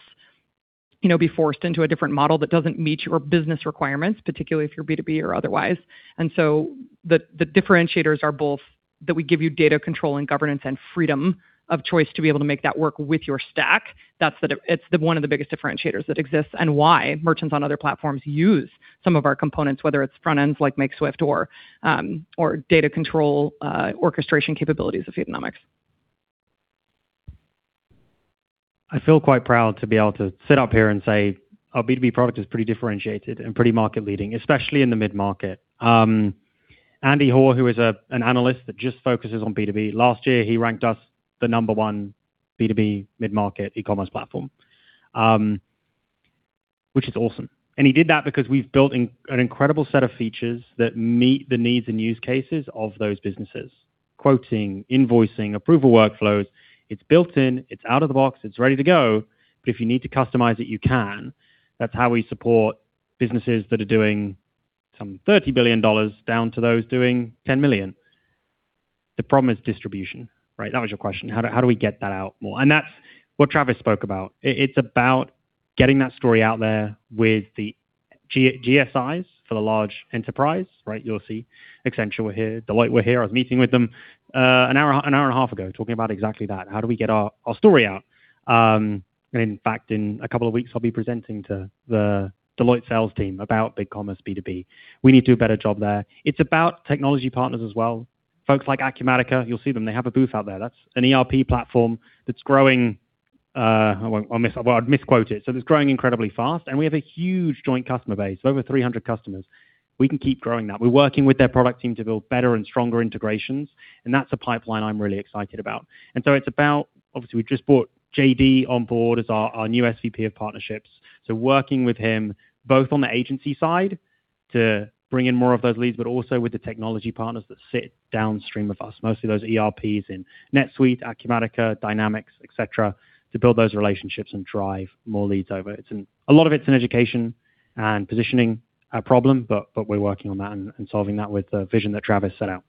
you know, be forced into a different model that doesn't meet your business requirements, particularly if you're B2B or otherwise. The differentiators are both that we give you data control and governance and freedom of choice to be able to make that work with your stack. That's the one of the biggest differentiators that exists and why merchants on other platforms use some of our components, whether it's front ends like Makeswift or data control orchestration capabilities of Feedonomics. I feel quite proud to be able to sit up here and say our B2B product is pretty differentiated and pretty market leading, especially in the mid-market. Andy Hoar, who is an analyst that just focuses on B2B, last year he ranked us the number 1 B2B mid-market e-commerce platform, which is awesome. He did that because we've built an incredible set of features that meet the needs and use cases of those businesses. Quoting, invoicing, approval workflows. It's built in, it's out of the box, it's ready to go. If you need to customize it, you can. That's how we support businesses that are doing some $30 billion down to those doing $10 million. The problem is distribution, right? That was your question. How do we get that out more? That's what Travis spoke about. It's about getting that story out there with the GSIs for the large enterprise, right? You'll see Accenture were here, Deloitte were here. I was meeting with them an hour and a half ago talking about exactly that. How do we get our story out? In fact, in a couple of weeks, I'll be presenting to the Deloitte sales team about BigCommerce B2B. We need to do a better job there. It's about technology partners as well. Folks like Acumatica, you'll see them. They have a booth out there. That's an ERP platform that's growing. I'd misquote it. It's growing incredibly fast, and we have a huge joint customer base, over 300 customers. We can keep growing that. We're working with their product team to build better and stronger integrations, that's a pipeline I'm really excited about. It's about, obviously, we just brought JD on board as our new SVP of partnerships. Working with him both on the agency side to bring in more of those leads, but also with the technology partners that sit downstream of us, mostly those ERPs in NetSuite, Acumatica, Dynamics, et cetera, to build those relationships and drive more leads over. A lot of it's an education and positioning problem, but we're working on that and solving that with the vision that Travis set out.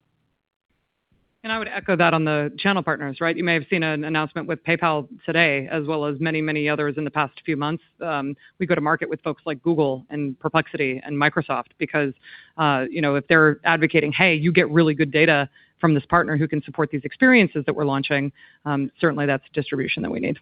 I would echo that on the channel partners, right? You may have seen an announcement with PayPal today, as well as many, many others in the past few months. We go to market with folks like Google and Perplexity and Microsoft because, you know, if they're advocating, "Hey, you get really good data from this partner who can support these experiences that we're launching," certainly that's distribution that we need.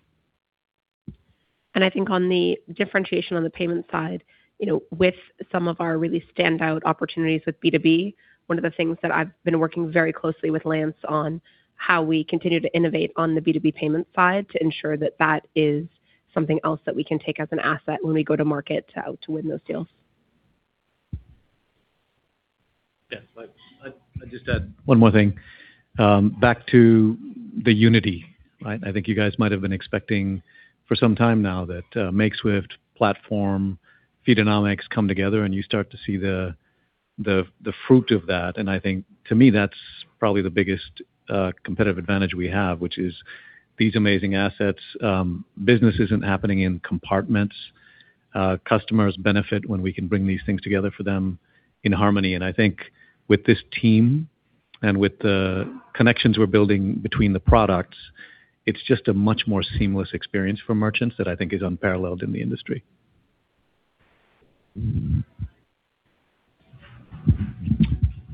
I think on the differentiation on the payment side, you know, with some of our really standout opportunities with B2B, one of the things that I've been working very closely with Lance on how we continue to innovate on the B2B payment side to ensure that that is something else that we can take as an asset when we go to market to win those deals. Yeah. Let me just add one more thing. Back to the unity, right? I think you guys might have been expecting for some time now that MakeSwift, platform, Feedonomics come together, you start to see the fruit of that. I think to me, that's probably the biggest competitive advantage we have, which is these amazing assets. Business isn't happening in compartments. Customers benefit when we can bring these things together for them in harmony. I think with this team and with the connections we're building between the products, it's just a much more seamless experience for merchants that I think is unparalleled in the industry.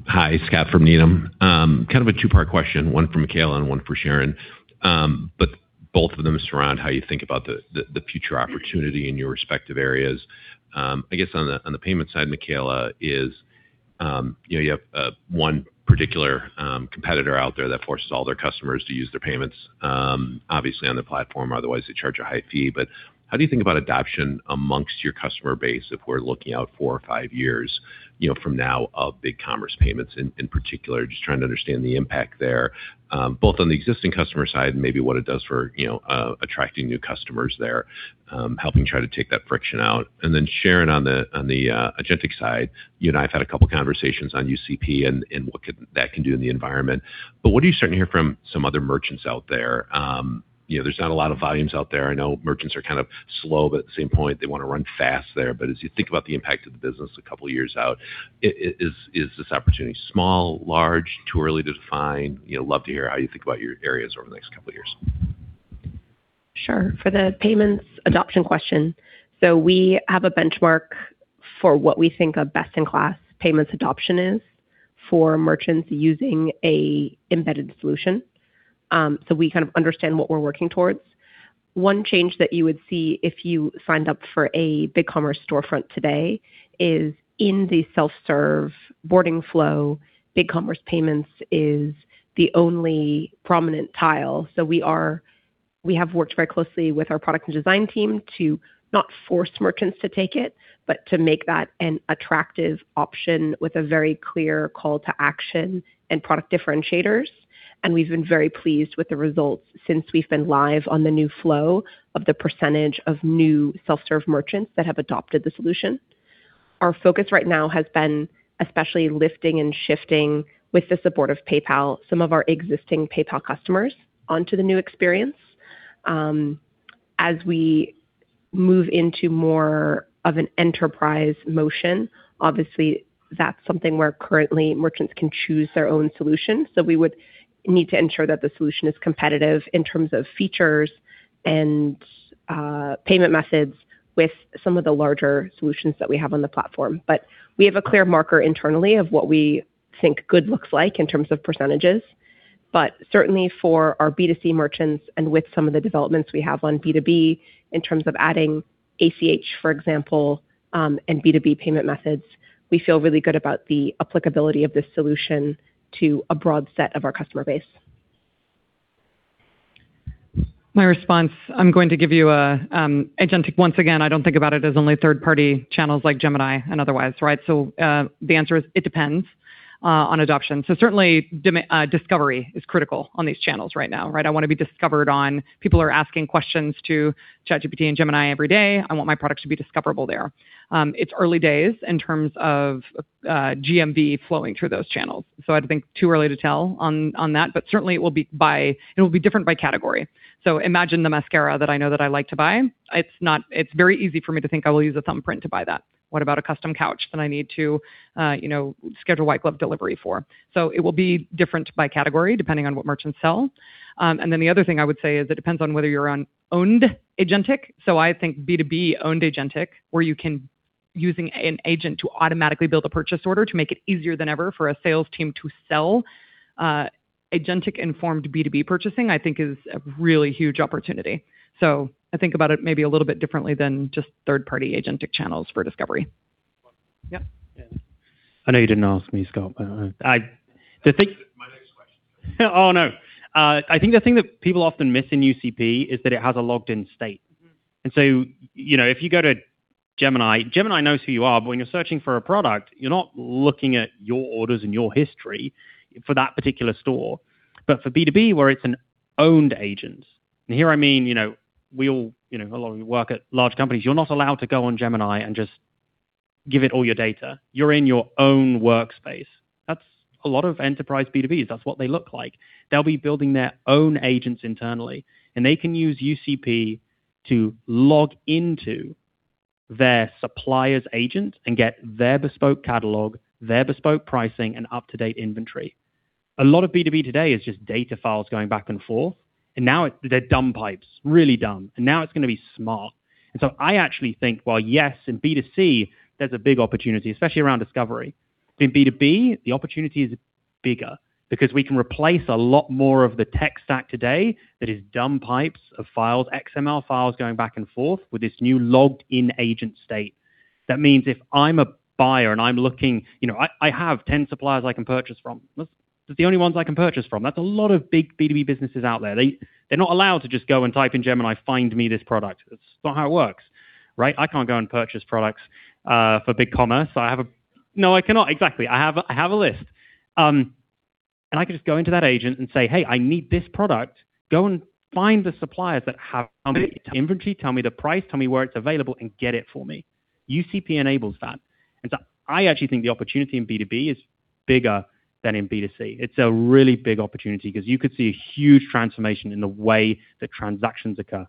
Hi, Scott from Needham. Kind of a two-part question, one for Michaela and one for Sharon. Both of them surround how you think about the future opportunity in your respective areas. I guess on the payment side, Michaela, is, you know, you have one particular competitor out there that forces all their customers to use their payments, obviously on their platform, otherwise they charge a high fee. How do you think about adoption amongst your customer base if we're looking out four or five years, you know, from now of BigCommerce Payments in particular? Just trying to understand the impact there, both on the existing customer side and maybe what it does for, you know, attracting new customers there, helping try to take that friction out. Sharon, on the agentic side, you and I have had a couple conversations on UCP and what that can do in the environment. What are you starting to hear from some other merchants out there? you know, there's not a lot of volumes out there. I know merchants are kind of slow, but at the same point they wanna run fast there. As you think about the impact of the business a couple years out, is this opportunity small, large, too early to define? You know, love to hear how you think about your areas over the next couple years. Sure. For the payments adoption question, we have a benchmark for what we think a best-in-class payments adoption is for merchants using a embedded solution. We kind of understand what we're working towards. One change that you would see if you signed up for a BigCommerce storefront today is in the self-serve boarding flow, BigCommerce Payments is the only prominent tile. We have worked very closely with our product and design team to not force merchants to take it, but to make that an attractive option with a very clear call to action and product differentiators. We've been very pleased with the results since we've been live on the new flow of the percentage of new self-serve merchants that have adopted the solution. Our focus right now has been especially lifting and shifting, with the support of PayPal, some of our existing PayPal customers onto the new experience. As we move into more of an enterprise motion, obviously that's something where currently merchants can choose their own solution. We would need to ensure that the solution is competitive in terms of features and payment methods with some of the larger solutions that we have on the platform. We have a clear marker internally of what we think good looks like in terms of %. Certainly for our B2C merchants and with some of the developments we have on B2B in terms of adding ACH, for example, and B2B payment methods, we feel really good about the applicability of this solution to a broad set of our customer base. My response, I'm going to give you a agentic. Once again, I don't think about it as only third-party channels like Gemini and otherwise, right? The answer is it depends on adoption. Certainly discovery is critical on these channels right now, right? I wanna be discovered on. People are asking questions to ChatGPT and Gemini every day. I want my products to be discoverable there. It's early days in terms of GMV flowing through those channels. I think too early to tell on that, but certainly it will be different by category. Imagine the mascara that I know that I like to buy. It's very easy for me to think I will use a thumbprint to buy that. What about a custom couch that I need to, you know, schedule white glove delivery for? It will be different by category depending on what merchants sell. The other thing I would say is it depends on whether you're on owned agentic. I think B2B owned agentic, where you can, using an agent to automatically build a purchase order to make it easier than ever for a sales team to sell, agentic informed B2B purchasing, I think is a really huge opportunity. I think about it maybe a little bit differently than just third-party agentic channels for discovery. Yeah. I know you didn't ask me, Scott. That was my next question. Oh, no. I think the thing that people often miss in UCP is that it has a logged in state. Mm-hmm. You know, if you go to Gemini knows who you are, but when you're searching for a product, you're not looking at your orders and your history for that particular store. For B2B, where it's an owned agent, and here I mean, you know, we all, you know, a lot of you work at large companies. You're not allowed to go on Gemini and just give it all your data. You're in your own workspace. That's a lot of enterprise B2Bs. That's what they look like. They'll be building their own agents internally, and they can use UCP to log into their supplier's agent and get their bespoke catalog, their bespoke pricing, and up-to-date inventory. A lot of B2B today is just data files going back and forth, and now they're dumb pipes, really dumb. Now it's going to be smart. I actually think while, yes, in B2C, there's a big opportunity, especially around discovery. In B2B, the opportunity is bigger because we can replace a lot more of the tech stack today that is dumb pipes of files, XML files going back and forth with this new logged in agent state. That means if I'm a buyer and I'm looking. You know, I have 10 suppliers I can purchase from. That's the only ones I can purchase from. That's a lot of big B2B businesses out there. They're not allowed to just go and type in Gemini, "Find me this product." That's not how it works, right? I can't go and purchase products for BigCommerce. No, I cannot. Exactly. I have a list. I can just go into that agent and say, "Hey, I need this product. Go and find the suppliers that have inventory, tell me the price, tell me where it's available, and get it for me." UCP enables that. I actually think the opportunity in B2B is bigger than in B2C. It's a really big opportunity because you could see a huge transformation in the way that transactions occur.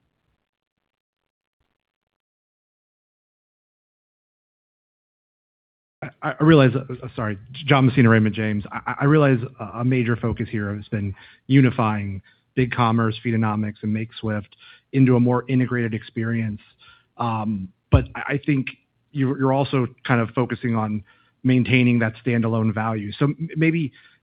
I realize. Sorry. John Messina, Raymond James. I realize a major focus here has been unifying BigCommerce, Feedonomics, and Makeswift into a more integrated experience. I think you're also kind of focusing on maintaining that standalone value.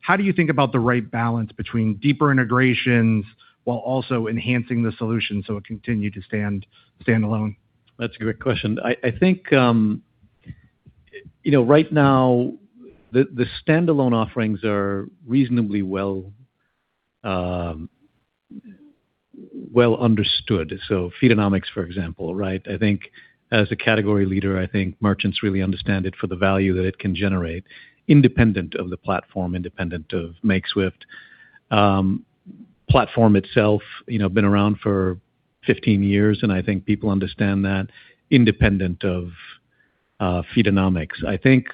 How do you think about the right balance between deeper integrations while also enhancing the solution so it continue to stand standalone? That's a great question. I think, you know, right now the standalone offerings are reasonably well understood. So Feedonomics, for example, right? I think as a category leader, I think merchants really understand it for the value that it can generate independent of the platform, independent of Makeswift. Platform itself, you know, been around for 15 years, and I think people understand that independent of Feedonomics. I think,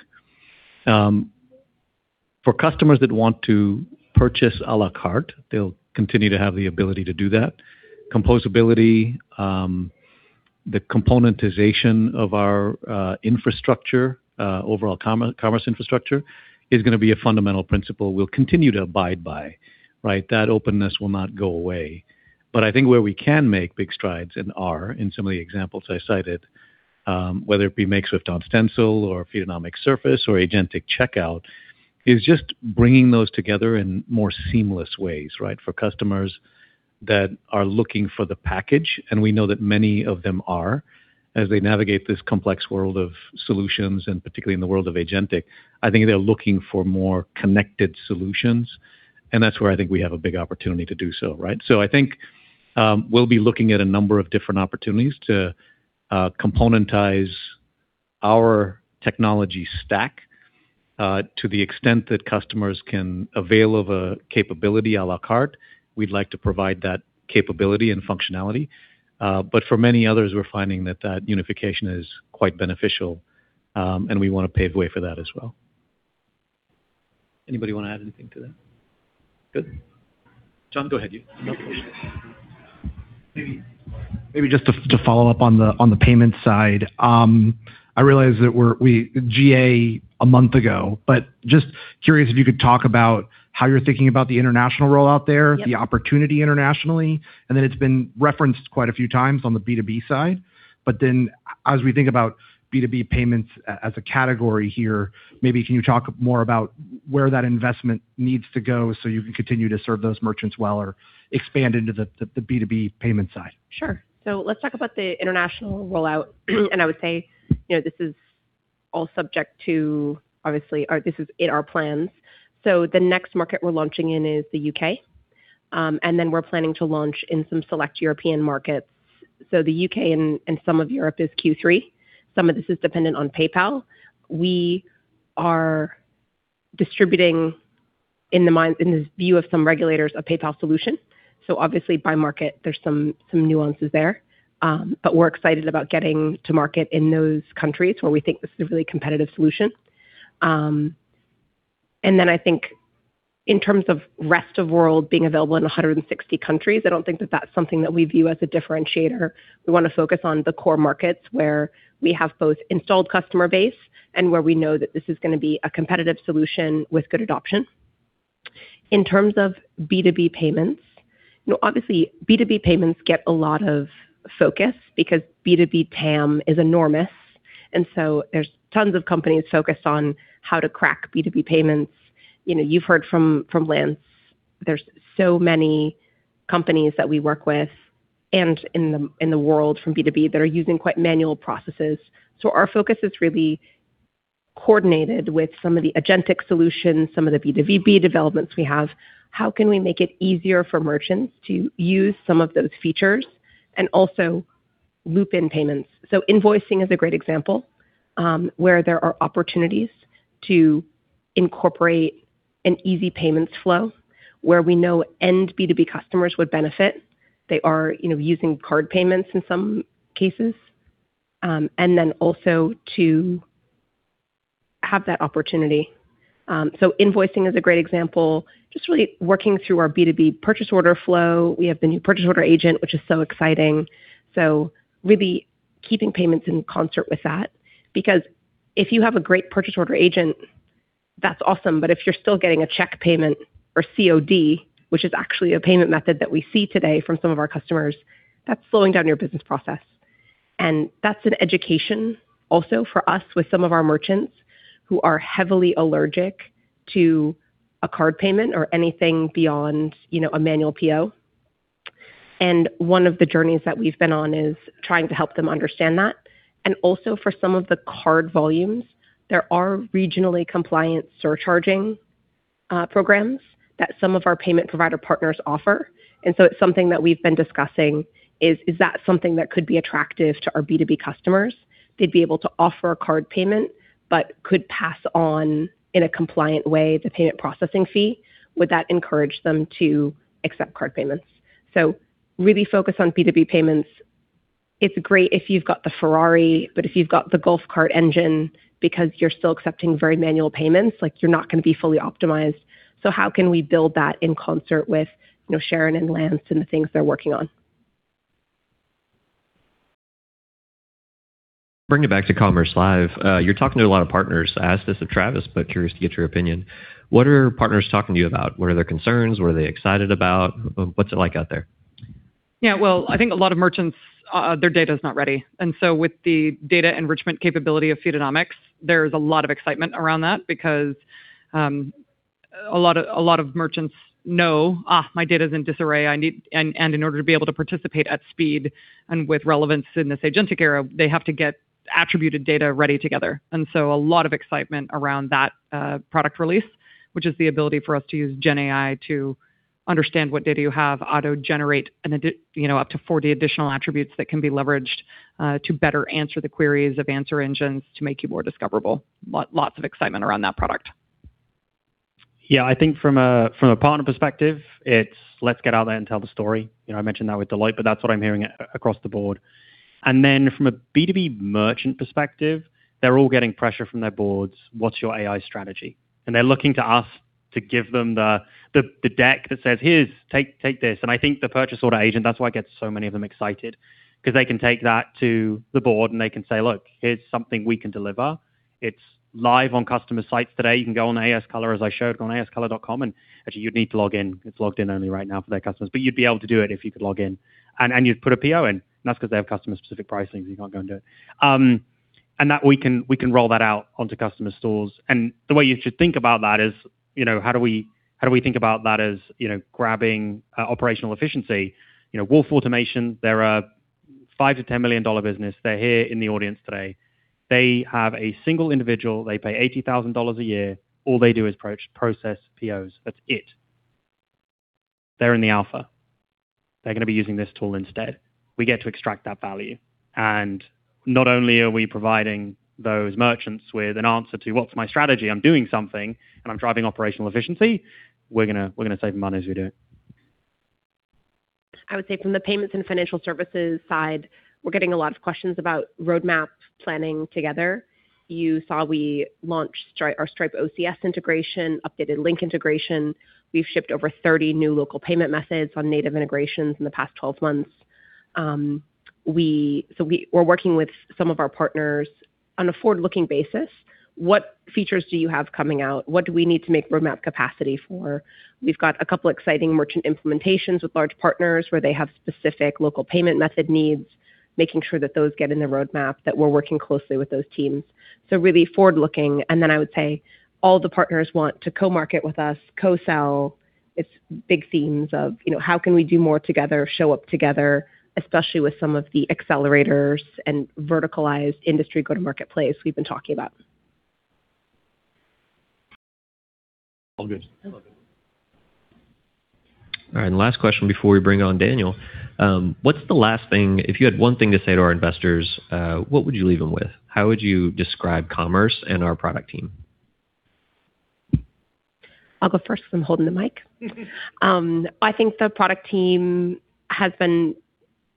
for customers that want to purchase a la carte, they'll continue to have the ability to do that. Composability, the componentization of our infrastructure, overall commerce infrastructure is gonna be a fundamental principle we'll continue to abide by, right? That openness will not go away. I think where we can make big strides and are in some of the examples I cited, whether it be Makeswift on Stencil or Feedonomics Surface or agentic checkout, is just bringing those together in more seamless ways, right? For customers that are looking for the package, and we know that many of them are, as they navigate this complex world of solutions, and particularly in the world of agentic, I think they're looking for more connected solutions, and that's where I think we have a big opportunity to do so, right? I think we'll be looking at a number of different opportunities to componentize our technology stack to the extent that customers can avail of a capability a la carte. We'd like to provide that capability and functionality. For many others, we're finding that that unification is quite beneficial, we wanna pave the way for that as well. Anybody wanna add anything to that? Good. John, go ahead. Maybe just to follow-up on the payment side. I realize that we GA a month ago, but just curious if you could talk about how you're thinking about the international rollout there. Yep. The opportunity internationally, and then it's been referenced quite a few times on the B2B side. As we think about B2B payments as a category here, maybe can you talk more about where that investment needs to go so you can continue to serve those merchants well or expand into the B2B payment side? Sure. Let's talk about the international rollout, and I would say, you know, this is all subject to, obviously, this is in our plans. The next market we're launching in is the U.K., and we're planning to launch in some select European markets. The U.K. and some of Europe is Q3. Some of this is dependent on PayPal. We are distributing in the view of some regulators, a PayPal solution. Obviously by market, there's some nuances there. We're excited about getting to market in those countries where we think this is a really competitive solution. I think in terms of rest of world being available in 160 countries, I don't think that that's something that we view as a differentiator. We want to focus on the core markets where we have both installed customer base and where we know that this is gonna be a competitive solution with good adoption. In terms of B2B payments, you know, obviously B2B payments get a lot of focus because B2B TAM is enormous, and so there's tons of companies focused on how to crack B2B payments. You know, you've heard from Lance, there's so many companies that we work with and in the, in the world from B2B that are using quite manual processes. Our focus is really coordinated with some of the agentic solutions, some of the B2B developments we have. How can we make it easier for merchants to use some of those features and also loop in payments? Invoicing is a great example, where there are opportunities to incorporate an easy payments flow where we know end B2B customers would benefit. They are, you know, using card payments in some cases, and then also to have that opportunity. Invoicing is a great example, just really working through our B2B purchase order flow. We have the new purchase order agent, which is so exciting. Really keeping payments in concert with that, because if you have a great purchase order agent, that's awesome, but if you're still getting a check payment or COD, which is actually a payment method that we see today from some of our customers, that's slowing down your business process. That's an education also for us with some of our merchants who are heavily allergic to a card payment or anything beyond, you know, a manual PO. One of the journeys that we've been on is trying to help them understand that. Also for some of the card volumes, there are regionally compliant surcharging programs that some of our payment provider partners offer. It's something that we've been discussing is that something that could be attractive to our B2B customers? They'd be able to offer a card payment, but could pass on in a compliant way the payment processing fee. Would that encourage them to accept card payments? Really focus on B2B payments. It's great if you've got the Ferrari, but if you've got the golf cart engine because you're still accepting very manual payments, like you're not gonna be fully optimized. How can we build that in concert with, you know, Sharon and Lance and the things they're working on? Bring it back to Commerce Live. You're talking to a lot of partners. I asked this of Travis, but curious to get your opinion. What are partners talking to you about? What are their concerns? What are they excited about? What's it like out there? Yeah. Well, I think a lot of merchants, their data's not ready. With the data enrichment capability of Feedonomics, there's a lot of excitement around that because a lot of merchants know, my data's in disarray. In order to be able to participate at speed and with relevance in this agentic era, they have to get attributed data ready together. A lot of excitement around that product release, which is the ability for us to use GenAI to understand what data you have, auto-generate up to 40 additional attributes that can be leveraged to better answer the queries of answer engines to make you more discoverable. Lots of excitement around that product. Yeah. I think from a partner perspective, it's, let's get out there and tell the story. You know, I mentioned that with Deloitte, that's what I'm hearing across the board. From a B2B merchant perspective, they're all getting pressure from their boards. What's your AI strategy? They're looking to us to give them the deck that says, "Here's. Take this." I think the purchase order agent, that's why it gets so many of them excited, because they can take that to the board and they can say, "Look, here's something we can deliver." It's live on customer sites today. You can go on the AS Colour as I showed, go on ascolour.com, actually you'd need to log in. It's logged in only right now for their customers. You'd be able to do it if you could log in and you'd put a PO in. That's because they have customer specific pricing, so you can't go and do it. That we can roll that out onto customer stores. The way you should think about that is, you know, how do we think about that as, you know, grabbing operational efficiency? You know, Wolf Automation, they're a $5 million-10 million business. They're here in the audience today. They have a single individual, they pay $80,000 a year. All they do is process POs. That's it. They're in the alpha. They're going to be using this tool instead. We get to extract that value, and not only are we providing those merchants with an answer to what's my strategy, I'm doing something and I'm driving operational efficiency, we're gonna save money as we do it. I would say from the payments and financial services side, we're getting a lot of questions about roadmap planning together. You saw we launched Stripe, our Stripe OCS integration, updated link integration. We've shipped over 30 new local payment methods on native integrations in the past 12 months. We're working with some of our partners on a forward-looking basis. What features do you have coming out? What do we need to make roadmap capacity for? We've got a couple exciting merchant implementations with large partners where they have specific local payment method needs, making sure that those get in the roadmap, that we're working closely with those teams. Really forward-looking, I would say all the partners want to co-market with us, co-sell. It's big themes of, you know, how can we do more together, show up together, especially with some of the accelerators and verticalized industry go-to-marketplace we've been talking about. All good. All right. Last question before we bring on Daniel. If you had one thing to say to our investors, what would you leave them with? How would you describe Commerce and our product team? I'll go first 'cause I'm holding the mic. I think the product team has been,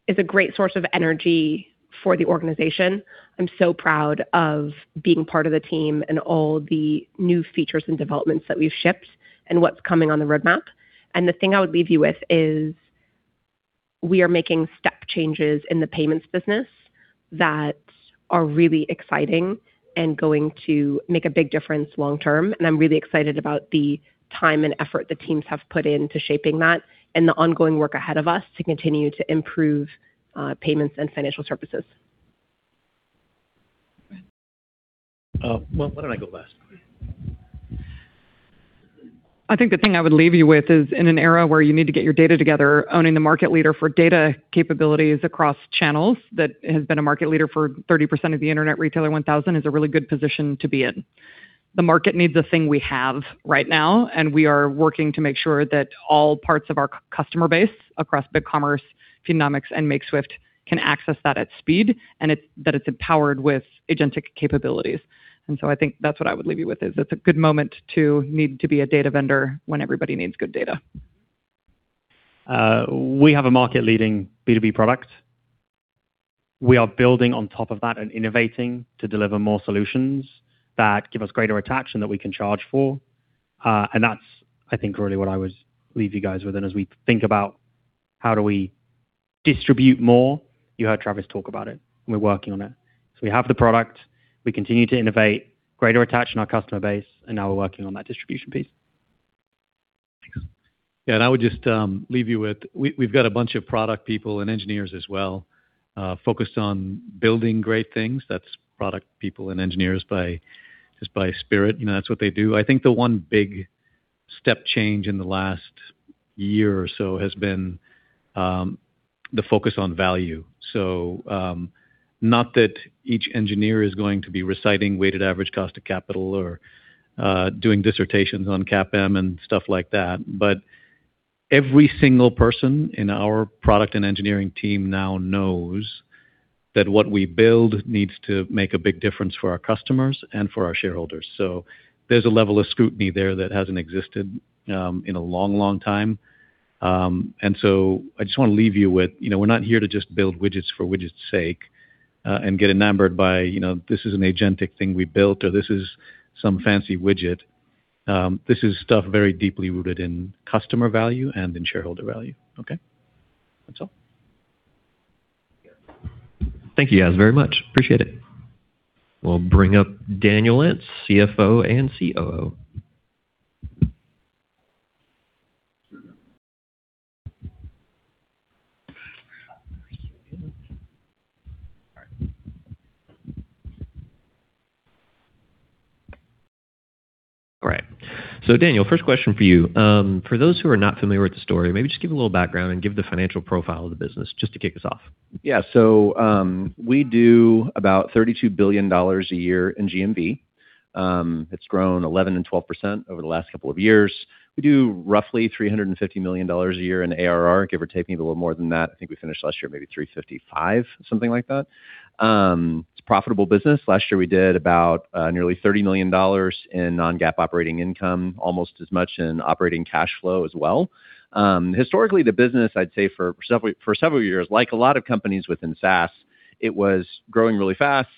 is a great source of energy for the organization. I'm so proud of being part of the team and all the new features and developments that we've shipped and what's coming on the roadmap. The thing I would leave you with is we are making step changes in the payments business that are really exciting and going to make a big difference long-term. I'm really excited about the time and effort the teams have put into shaping that and the ongoing work ahead of us to continue to improve payments and financial services. Well, why don't I go last? I think the thing I would leave you with is in an era where you need to get your data together, owning the market leader for data capabilities across channels that has been a market leader for 30% of the Internet Retailer 1000 is a really good position to be in. The market needs a thing we have right now, we are working to make sure that all parts of our customer base across BigCommerce, Feedonomics, and Makeswift can access that at speed, that it's empowered with agentic capabilities. I think that's what I would leave you with, is it's a good moment to need to be a data vendor when everybody needs good data. We have a market-leading B2B product. We are building on top of that and innovating to deliver more solutions that give us greater attach and that we can charge for. That's, I think, really what I would leave you guys with. As we think about how do we distribute more, you heard Travis talk about it, and we're working on it. We have the product, we continue to innovate, greater attach in our customer base, and now we're working on that distribution piece. Yeah. I would just leave you with we've got a bunch of product people and engineers as well, focused on building great things. That's product people and engineers by, just by spirit. You know, that's what they do. I think the one big step change in the last year or so has been the focus on value. Not that each engineer is going to be reciting weighted average cost of capital or doing dissertations on CAPM and stuff like that, but every single person in our product and engineering team now knows that what we build needs to make a big difference for our customers and for our shareholders. There's a level of scrutiny there that hasn't existed in a long, long time. I just wanna leave you with, you know, we're not here to just build widgets for widgets' sake, and get enamored by, you know, this is an agentic thing we built, or this is some fancy widget. This is stuff very deeply rooted in customer value and in shareholder value. Okay. That's all. Thank you guys very much. Appreciate it. We'll bring up Daniel Lentz, CFO and COO. All right. Daniel, first question for you. For those who are not familiar with the story, maybe just give a little background and give the financial profile of the business just to kick us off. We do about $32 billion a year in GMV. It's grown 11% and 12% over the last couple of years. We do roughly $350 million a year in ARR, give or take maybe a little more than that. I think we finished last year maybe $355, something like that. It's a profitable business. Last year we did about nearly $30 million in non-GAAP operating income, almost as much in operating cash flow as well. Historically, the business, I'd say for several years, like a lot of companies within SaaS, it was growing really fast,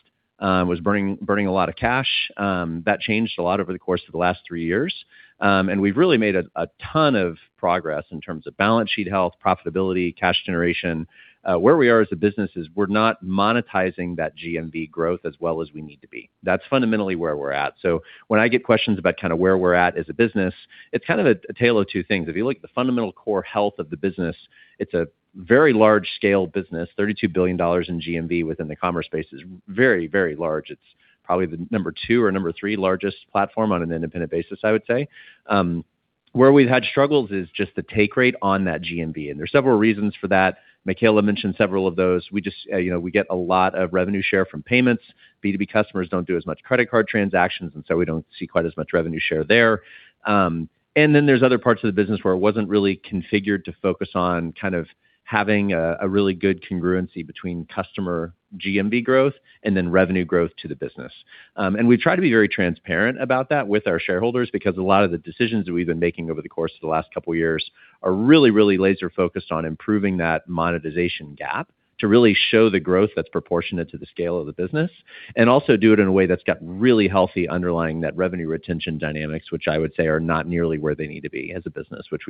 was burning a lot of cash. That changed a lot over the course of the last three years. We've really made a ton of progress in terms of balance sheet health, profitability, cash generation. Where we are as a business is we're not monetizing that GMV growth as well as we need to be. That's fundamentally where we're at. When I get questions about kind of where we're at as a business, it's kind of a tale of two things. If you look at the fundamental core health of the business, it's a very large-scale business. $32 billion in GMV within the commerce space is very large. It's probably the number two or number three largest platform on an independent basis, I would say. Where we've had struggles is just the take rate on that GMV, and there's several reasons for that. Michaela mentioned several of those. We just, you know, we get a lot of revenue share from payments. B2B customers don't do as much credit card transactions. We don't see quite as much revenue share there. There's other parts of the business where it wasn't really configured to focus on kind of having a really good congruency between customer GMV growth and then revenue growth to the business. We try to be very transparent about that with our shareholders because a lot of the decisions that we've been making over the course of the last couple years are really, really laser focused on improving that monetization gap to really show the growth that's proportionate to the scale of the business, and also do it in a way that's got really healthy underlying net revenue retention dynamics, which I would say are not nearly where they need to be as a business, which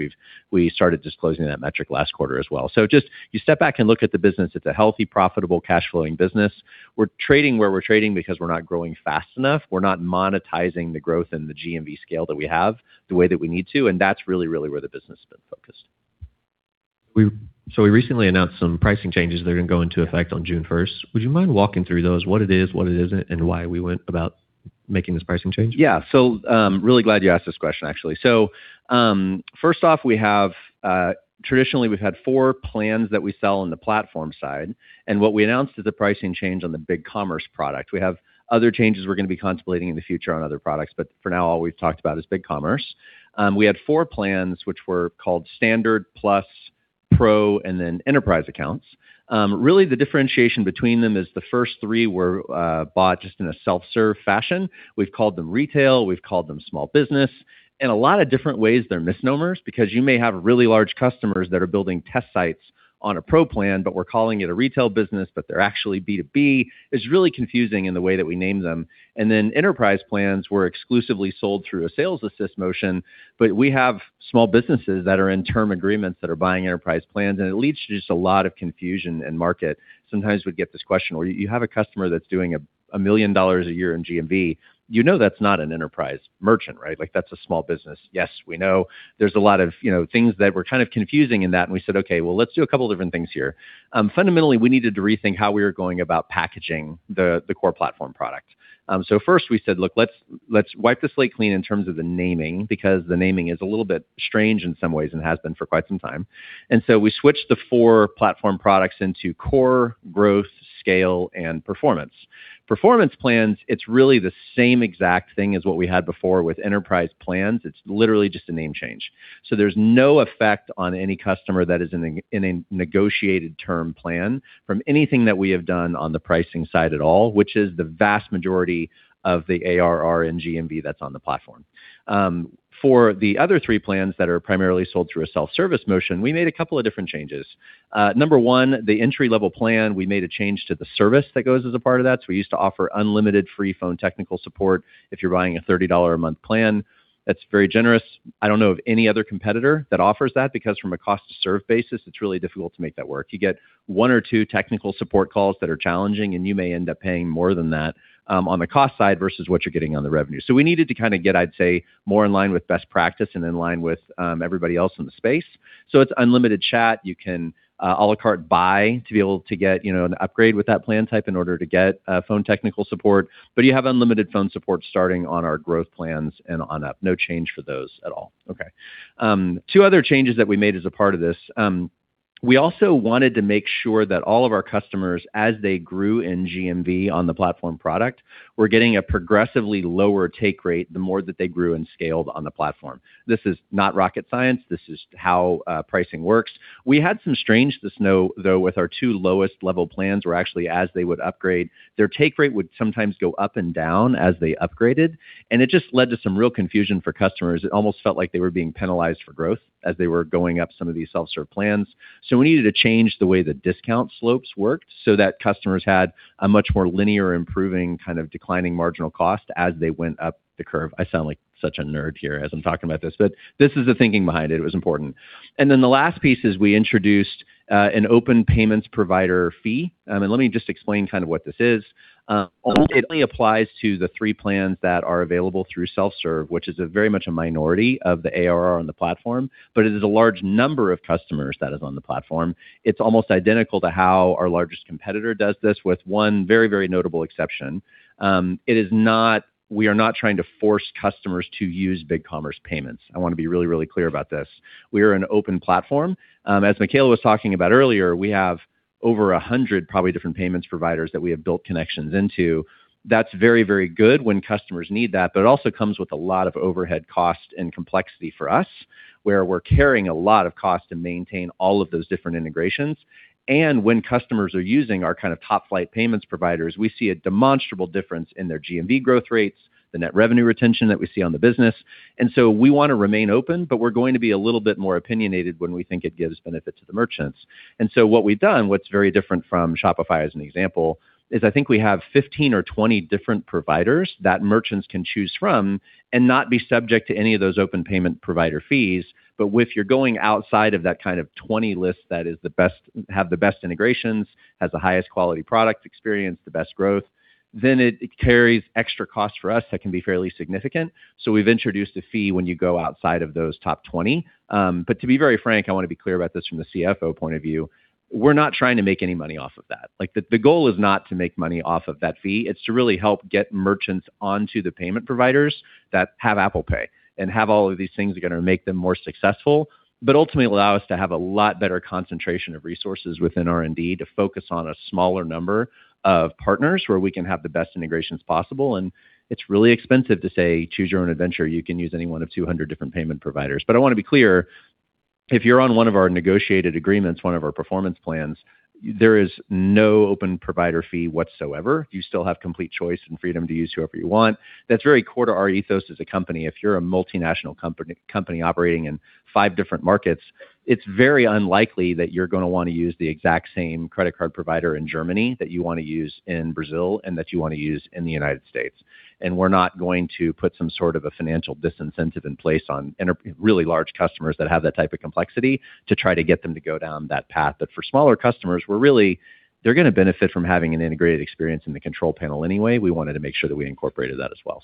we started disclosing that metric last quarter as well. Just, you step back and look at the business, it's a healthy, profitable, cash flowing business. We're trading where we're trading because we're not growing fast enough. We're not monetizing the growth in the GMV scale that we have the way that we need to. That's really, really where the business has been focused. We recently announced some pricing changes that are gonna go into effect on June first. Would you mind walking through those, what it is, what it isn't, and why we went about making this pricing change? Yeah. really glad you asked this question, actually. first off, we have traditionally, we've had four plans that we sell on the platform side, and what we announced is a pricing change on the BigCommerce product. We have other changes we're gonna be contemplating in the future on other products, but for now, all we've talked about is BigCommerce. We had four plans, which were called Standard, Plus, Pro, and then Enterprise accounts. really the differentiation between them is the first three were bought just in a self-serve fashion. We've called them retail, we've called them small business. In a lot of different ways, they're misnomers because you may have really large customers that are building test sites on a Pro plan, but we're calling it a retail business, but they're actually B2B. It's really confusing in the way that we name them. Enterprise plans were exclusively sold through a sales assist motion, but we have small businesses that are in term agreements that are buying Enterprise plans, and it leads to just a lot of confusion in market. Sometimes we'd get this question, "Well, you have a customer that's doing $1 million a year in GMV. You know that's not an enterprise merchant, right? Like, that's a small business." Yes, we know there's a lot of, you know, things that were kind of confusing in that, and we said, "Okay, well, let's do two different things here." Fundamentally, we needed to rethink how we were going about packaging the core platform product. First we said, "Look, let's wipe the slate clean in terms of the naming," because the naming is a little bit strange in some ways, and has been for quite some time. We switched the four platform products into core, growth, scale, and performance. Performance plans, it's really the same exact thing as what we had before with enterprise plans. It's literally just a name change. There's no effect on any customer that is in a negotiated term plan from anything that we have done on the pricing side at all, which is the vast majority of the ARR and GMV that's on the platform. For the other three plans that are primarily sold through a self-service motion, we made a couple of different changes. Number one, the entry level plan, we made a change to the service that goes as a part of that. We used to offer unlimited free phone technical support if you're buying a $30 a month plan. That's very generous. I don't know of any other competitor that offers that, because from a cost to serve basis, it's really difficult to make that work. You get one or two technical support calls that are challenging, and you may end up paying more than that on the cost side versus what you're getting on the revenue. We needed to kind of get, I'd say, more in line with best practice and in line with everybody else in the space. It's unlimited chat. You can a la carte buy to be able to get, you know, an upgrade with that plan type in order to get phone technical support. You have unlimited phone support starting on our growth plans and on up. No change for those at all. Okay. Two other changes that we made as a part of this. We also wanted to make sure that all of our customers, as they grew in GMV on the platform product, were getting a progressively lower take rate the more that they grew and scaled on the platform. This is not rocket science. This is how pricing works. We had some strangeness though with our two lowest level plans, where actually as they would upgrade, their take rate would sometimes go up and down as they upgraded, and it just led to some real confusion for customers. It almost felt like they were being penalized for growth as they were going up some of these self-serve plans. We needed to change the way the discount slopes worked so that customers had a much more linear improving, kind of declining marginal cost as they went up the curve. I sound like such a nerd here as I'm talking about this, but this is the thinking behind it. It was important. The last piece is we introduced an open payments provider fee. Let me just explain kind of what this is. It only applies to the three plans that are available through self-serve, which is a very much a minority of the ARR on the platform, but it is a large number of customers that is on the platform. It's almost identical to how our largest competitor does this with one very notable exception. We are not trying to force customers to use BigCommerce Payments. I wanna be really clear about this. We are an open platform. As Michaela was talking about earlier, we have over 100 probably different payments providers that we have built connections into. That's very, very good when customers need that, but it also comes with a lot of overhead cost and complexity for us, where we're carrying a lot of cost to maintain all of those different integrations. When customers are using our kind of top flight payments providers, we see a demonstrable difference in their GMV growth rates, the net revenue retention that we see on the business. We wanna remain open, but we're going to be a little bit more opinionated when we think it gives benefit to the merchants. What we've done, what's very different from Shopify as an example, is I think we have 15 or 20 different providers that merchants can choose from and not be subject to any of those open payment provider fees. If you're going outside of that kind of 20 list that is the best, have the best integrations, has the highest quality product experience, the best growth, then it carries extra cost for us that can be fairly significant. We've introduced a fee when you go outside of those top 20. To be very frank, I wanna be clear about this from the CFO point of view, we're not trying to make any money off of that. The goal is not to make money off of that fee. It's to really help get merchants onto the payment providers that have Apple Pay and have all of these things that are gonna make them more successful, but ultimately allow us to have a lot better concentration of resources within R&D to focus on a smaller number of partners where we can have the best integrations possible. It's really expensive to say, "Choose your own adventure. You can use any one of 200 different payment providers." I wanna be clear, if you're on one of our negotiated agreements, one of our performance plans, there is no open provider fee whatsoever. You still have complete choice and freedom to use whoever you want. That's very core to our ethos as a company. If you're a multinational company operating in five different markets, it's very unlikely that you're gonna wanna use the exact same credit card provider in Germany that you wanna use in Brazil and that you wanna use in the United States. We're not going to put some sort of a financial disincentive in place on really large customers that have that type of complexity to try to get them to go down that path. For smaller customers, they're gonna benefit from having an integrated experience in the control panel anyway. We wanted to make sure that we incorporated that as well.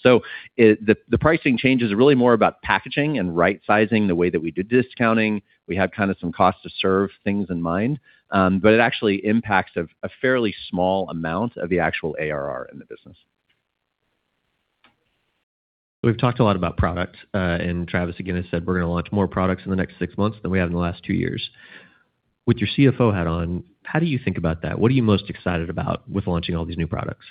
The pricing change is really more about packaging and right-sizing the way that we do discounting. We have kinda some cost-to-serve things in mind. It actually impacts a fairly small amount of the actual ARR in the business. We've talked a lot about product. Travis again has said we're gonna launch more products in the next six months than we have in the last two years. With your CFO hat on, how do you think about that? What are you most excited about with launching all these new products?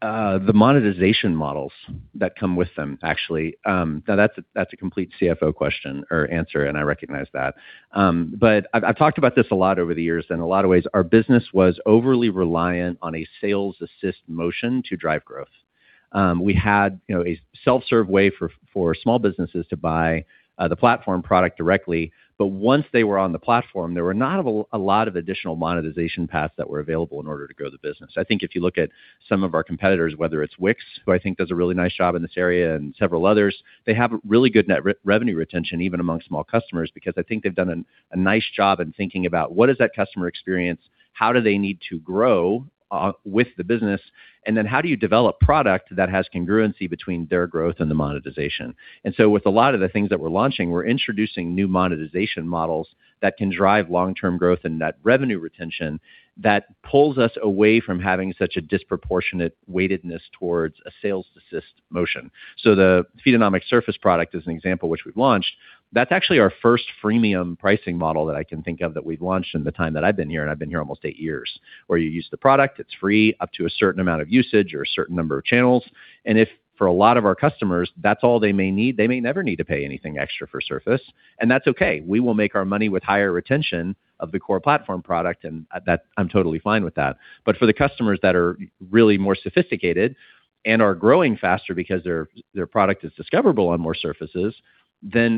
The monetization models that come with them actually. Now that's a complete CFO question or answer, and I recognize that. I've talked about this a lot over the years. In a lot of ways, our business was overly reliant on a sales assist motion to drive growth. We had, you know, a self-serve way for small businesses to buy the platform product directly. Once they were on the platform, there were not a lot of additional monetization paths that were available in order to grow the business. I think if you look at some of our competitors, whether it's Wix, who I think does a really nice job in this area, and several others, they have really good net revenue retention even among small customers, because I think they've done a nice job in thinking about what is that customer experience? How do they need to grow with the business? How do you develop product that has congruency between their growth and the monetization? With a lot of the things that we're launching, we're introducing new monetization models that can drive long-term growth and net revenue retention. That pulls us away from having such a disproportionate weightedness towards a sales assist motion. The Feedonomics Surface product is an example which we've launched. That's actually our first freemium pricing model that I can think of that we've launched in the time that I've been here, and I've been here almost eight years, where you use the product, it's free up to a certain amount of usage or a certain number of channels. If for a lot of our customers, that's all they may need, they may never need to pay anything extra for Surface, and that's okay. We will make our money with higher retention of the core platform product, that I'm totally fine with that. For the customers that are really more sophisticated and are growing faster because their product is discoverable on more surfaces,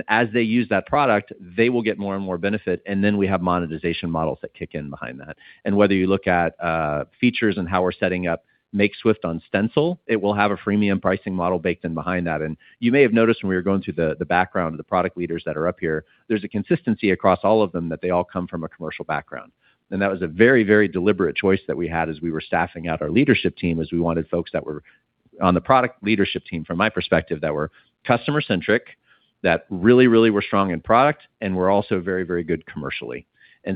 as they use that product, they will get more and more benefit, we have monetization models that kick in behind that. Whether you look at features and how we're setting up Makeswift on Stencil, it will have a freemium pricing model baked in behind that. You may have noticed when we were going through the background of the product leaders that are up here, there's a consistency across all of them that they all come from a commercial background. That was a very deliberate choice that we had as we were staffing out our leadership team, as we wanted folks that were on the product leadership team, from my perspective, that were customer-centric, that really were strong in product and were also very good commercially.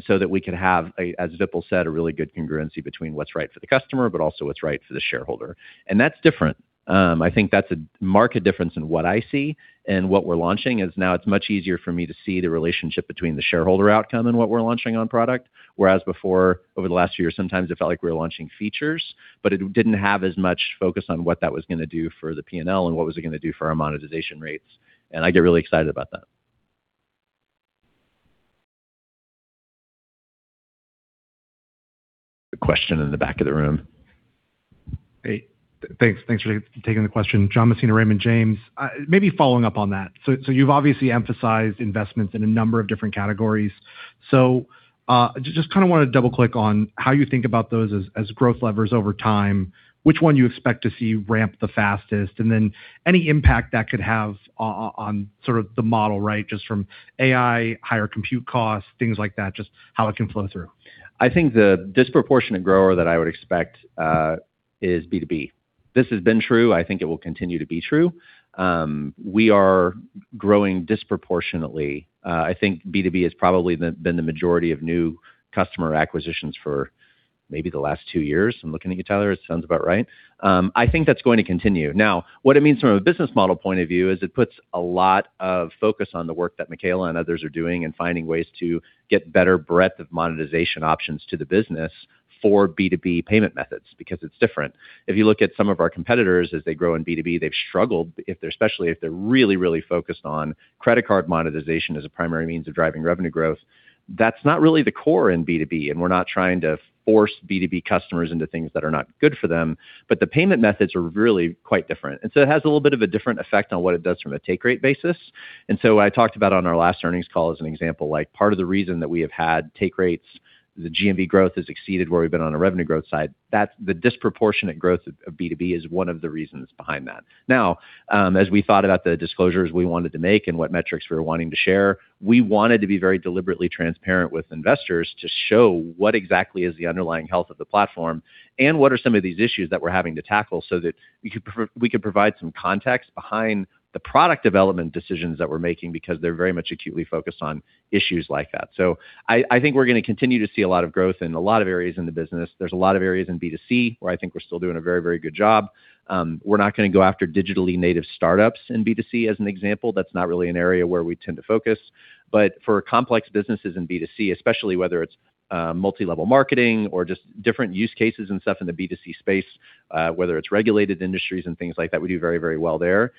So that we could have a, as Vipul said, a really good congruency between what's right for the customer, but also what's right for the shareholder. That's different. I think that's a marked difference in what I see and what we're launching, is now it's much easier for me to see the relationship between the shareholder outcome and what we're launching on product, whereas before, over the last few years, sometimes it felt like we were launching features, but it didn't have as much focus on what that was gonna do for the P&L and what was it gonna do for our monetization rates. I get really excited about that. A question in the back of the room. Hey, thanks. Thanks for taking the question. John Messina, Raymond James. Maybe following up on that, so you've obviously emphasized investments in a number of different categories, so, just kinda wanna double-click on how you think about those as growth levers over time, which one you expect to see ramp the fastest, and then any impact that could have on sort of the model, right? Just from AI, higher compute costs, things like that, just how it can flow through. I think the disproportionate grower that I would expect is B2B. This has been true. I think it will continue to be true. We are growing disproportionately. I think B2B has probably been the majority of new customer acquisitions for maybe the last two years. I'm looking at you, Tyler. It sounds about right. I think that's going to continue. What it means from a business model point of view is it puts a lot of focus on the work that Michaela and others are doing in finding ways to get better breadth of monetization options to the business for B2B payment methods, because it's different. If you look at some of our competitors as they grow in B2B, they've struggled if especially they're really focused on credit card monetization as a primary means of driving revenue growth. That's not really the core in B2B, and we're not trying to force B2B customers into things that are not good for them, but the payment methods are really quite different. It has a little bit of a different effect on what it does from a take rate basis. I talked about on our last earnings call as an example, like part of the reason that we have had take rates, the GMV growth has exceeded where we've been on a revenue growth side, that's the disproportionate growth of B2B is one of the reasons behind that. As we thought about the disclosures we wanted to make and what metrics we were wanting to share, we wanted to be very deliberately transparent with investors to show what exactly is the underlying health of the platform and what are some of these issues that we're having to tackle so that we could provide some context behind the product development decisions that we're making because they're very much acutely focused on issues like that. I think we're gonna continue to see a lot of growth in a lot of areas in the business. There's a lot of areas in B2C where I think we're still doing a very good job. We're not gonna go after digitally native startups in B2C, as an example. That's not really an area where we tend to focus. For complex businesses in B2C, especially whether it's multi-level marketing or just different use cases and stuff in the B2C space, whether it's regulated industries and things like that, we do very, very well there.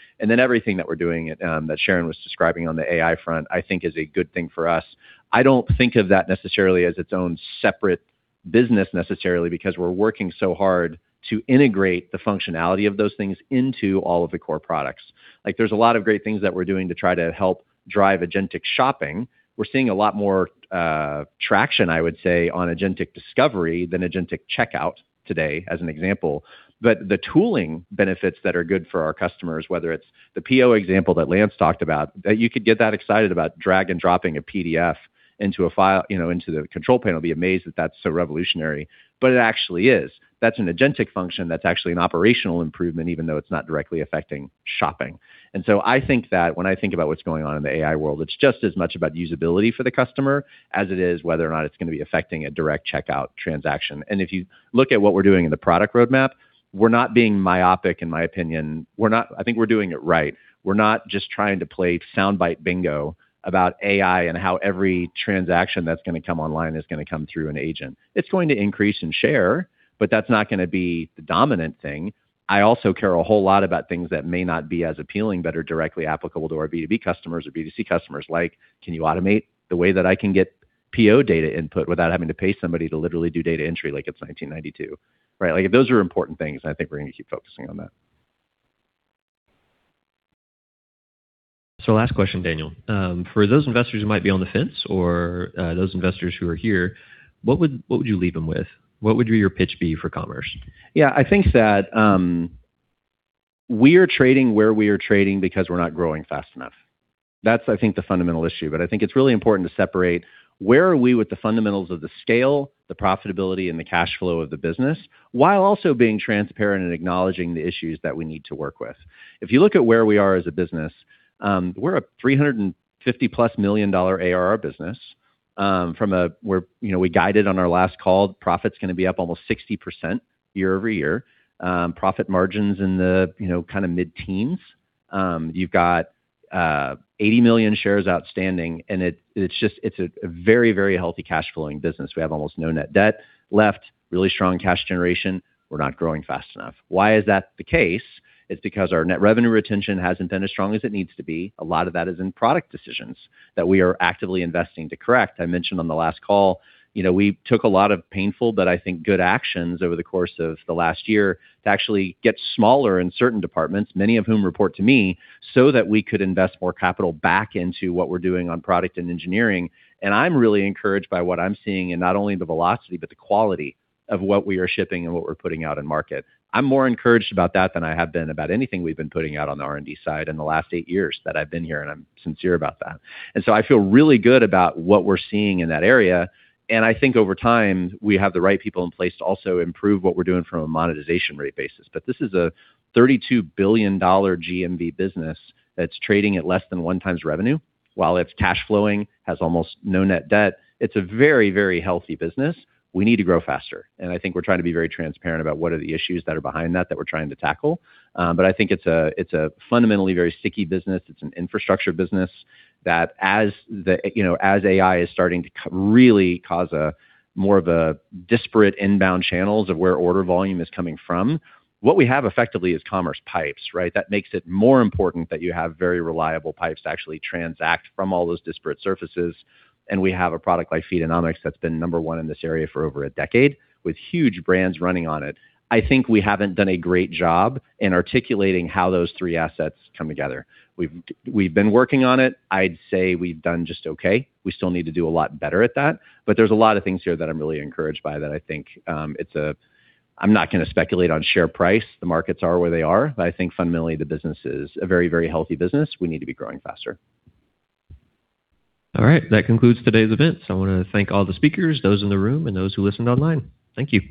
Everything that we're doing, that Sharon was describing on the AI front, I think is a good thing for us. I don't think of that necessarily as its own separate business necessarily because we're working so hard to integrate the functionality of those things into all of the core products. Like, there's a lot of great things that we're doing to try to help drive agentic shopping. We're seeing a lot more traction, I would say, on agentic discovery than agentic checkout today, as an example. The tooling benefits that are good for our customers, whether it's the PO example that Lance talked about, you could get that excited about drag and dropping a PDF into a file, you know, into the control panel, be amazed that that's so revolutionary, but it actually is. That's an agentic function that's actually an operational improvement, even though it's not directly affecting shopping. I think that when I think about what's going on in the AI world, it's just as much about usability for the customer as it is whether or not it's gonna be affecting a direct checkout transaction. If you look at what we're doing in the product roadmap, we're not being myopic, in my opinion. I think we're doing it right. We're not just trying to play soundbite bingo about AI and how every transaction that's gonna come online is gonna come through an agent. It's going to increase in share, but that's not gonna be the dominant thing. I also care a whole lot about things that may not be as appealing but are directly applicable to our B2B customers or B2C customers, like can you automate the way that I can get PO data input without having to pay somebody to literally do data entry like it's 1992, right? Like, those are important things, and I think we're gonna keep focusing on that. Last question, Daniel. For those investors who might be on the fence or those investors who are here, what would you leave them with? What would your pitch be for Commerce? Yeah. I think that we are trading where we are trading because we're not growing fast enough. That's, I think, the fundamental issue. I think it's really important to separate where are we with the fundamentals of the scale, the profitability, and the cash flow of the business, while also being transparent and acknowledging the issues that we need to work with. If you look at where we are as a business, we're a $350+ million ARR business, we're, you know, we guided on our last call, profit's gonna be up almost 60% year-over-year. Profit margin's in the, you know, kinda mid-teens. You've got 80 million shares outstanding, it's just, it's a very, very healthy cash flowing business. We have almost no net debt left, really strong cash generation. We're not growing fast enough. Why is that the case? It's because our net revenue retention hasn't been as strong as it needs to be. A lot of that is in product decisions that we are actively investing to correct. I mentioned on the last call, you know, we took a lot of painful, but I think good actions over the course of the last year to actually get smaller in certain departments, many of whom report to me, so that we could invest more capital back into what we're doing on product and engineering. I'm really encouraged by what I'm seeing in not only the velocity, but the quality of what we are shipping and what we're putting out in market. I'm more encouraged about that than I have been about anything we've been putting out on the R&D side in the last eight years that I've been here. I'm sincere about that. I feel really good about what we're seeing in that area, and I think over time, we have the right people in place to also improve what we're doing from a monetization rate basis. This is a $32 billion GMV business that's trading at less than 1x revenue, while it's cash flowing, has almost no net debt. It's a very, very healthy business. We need to grow faster. I think we're trying to be very transparent about what are the issues that are behind that that we're trying to tackle. I think it's a fundamentally very sticky business. It's an infrastructure business that as AI is starting to really cause a more of a disparate inbound channels of where order volume is coming from, what we have effectively is commerce pipes, right? That makes it more important that you have very reliable pipes to actually transact from all those disparate surfaces, we have a product like Feedonomics that's been number one in this area for over a decade, with huge brands running on it. I think we haven't done a great job in articulating how those 3 assets come together. We've been working on it. I'd say we've done just okay. We still need to do a lot better at that, there's a lot of things here that I'm really encouraged by that I think I'm not gonna speculate on share price. The markets are where they are, but I think fundamentally the business is a very, very healthy business. We need to be growing faster. All right. That concludes today's event. I wanna thank all the speakers, those in the room and those who listened online. Thank you.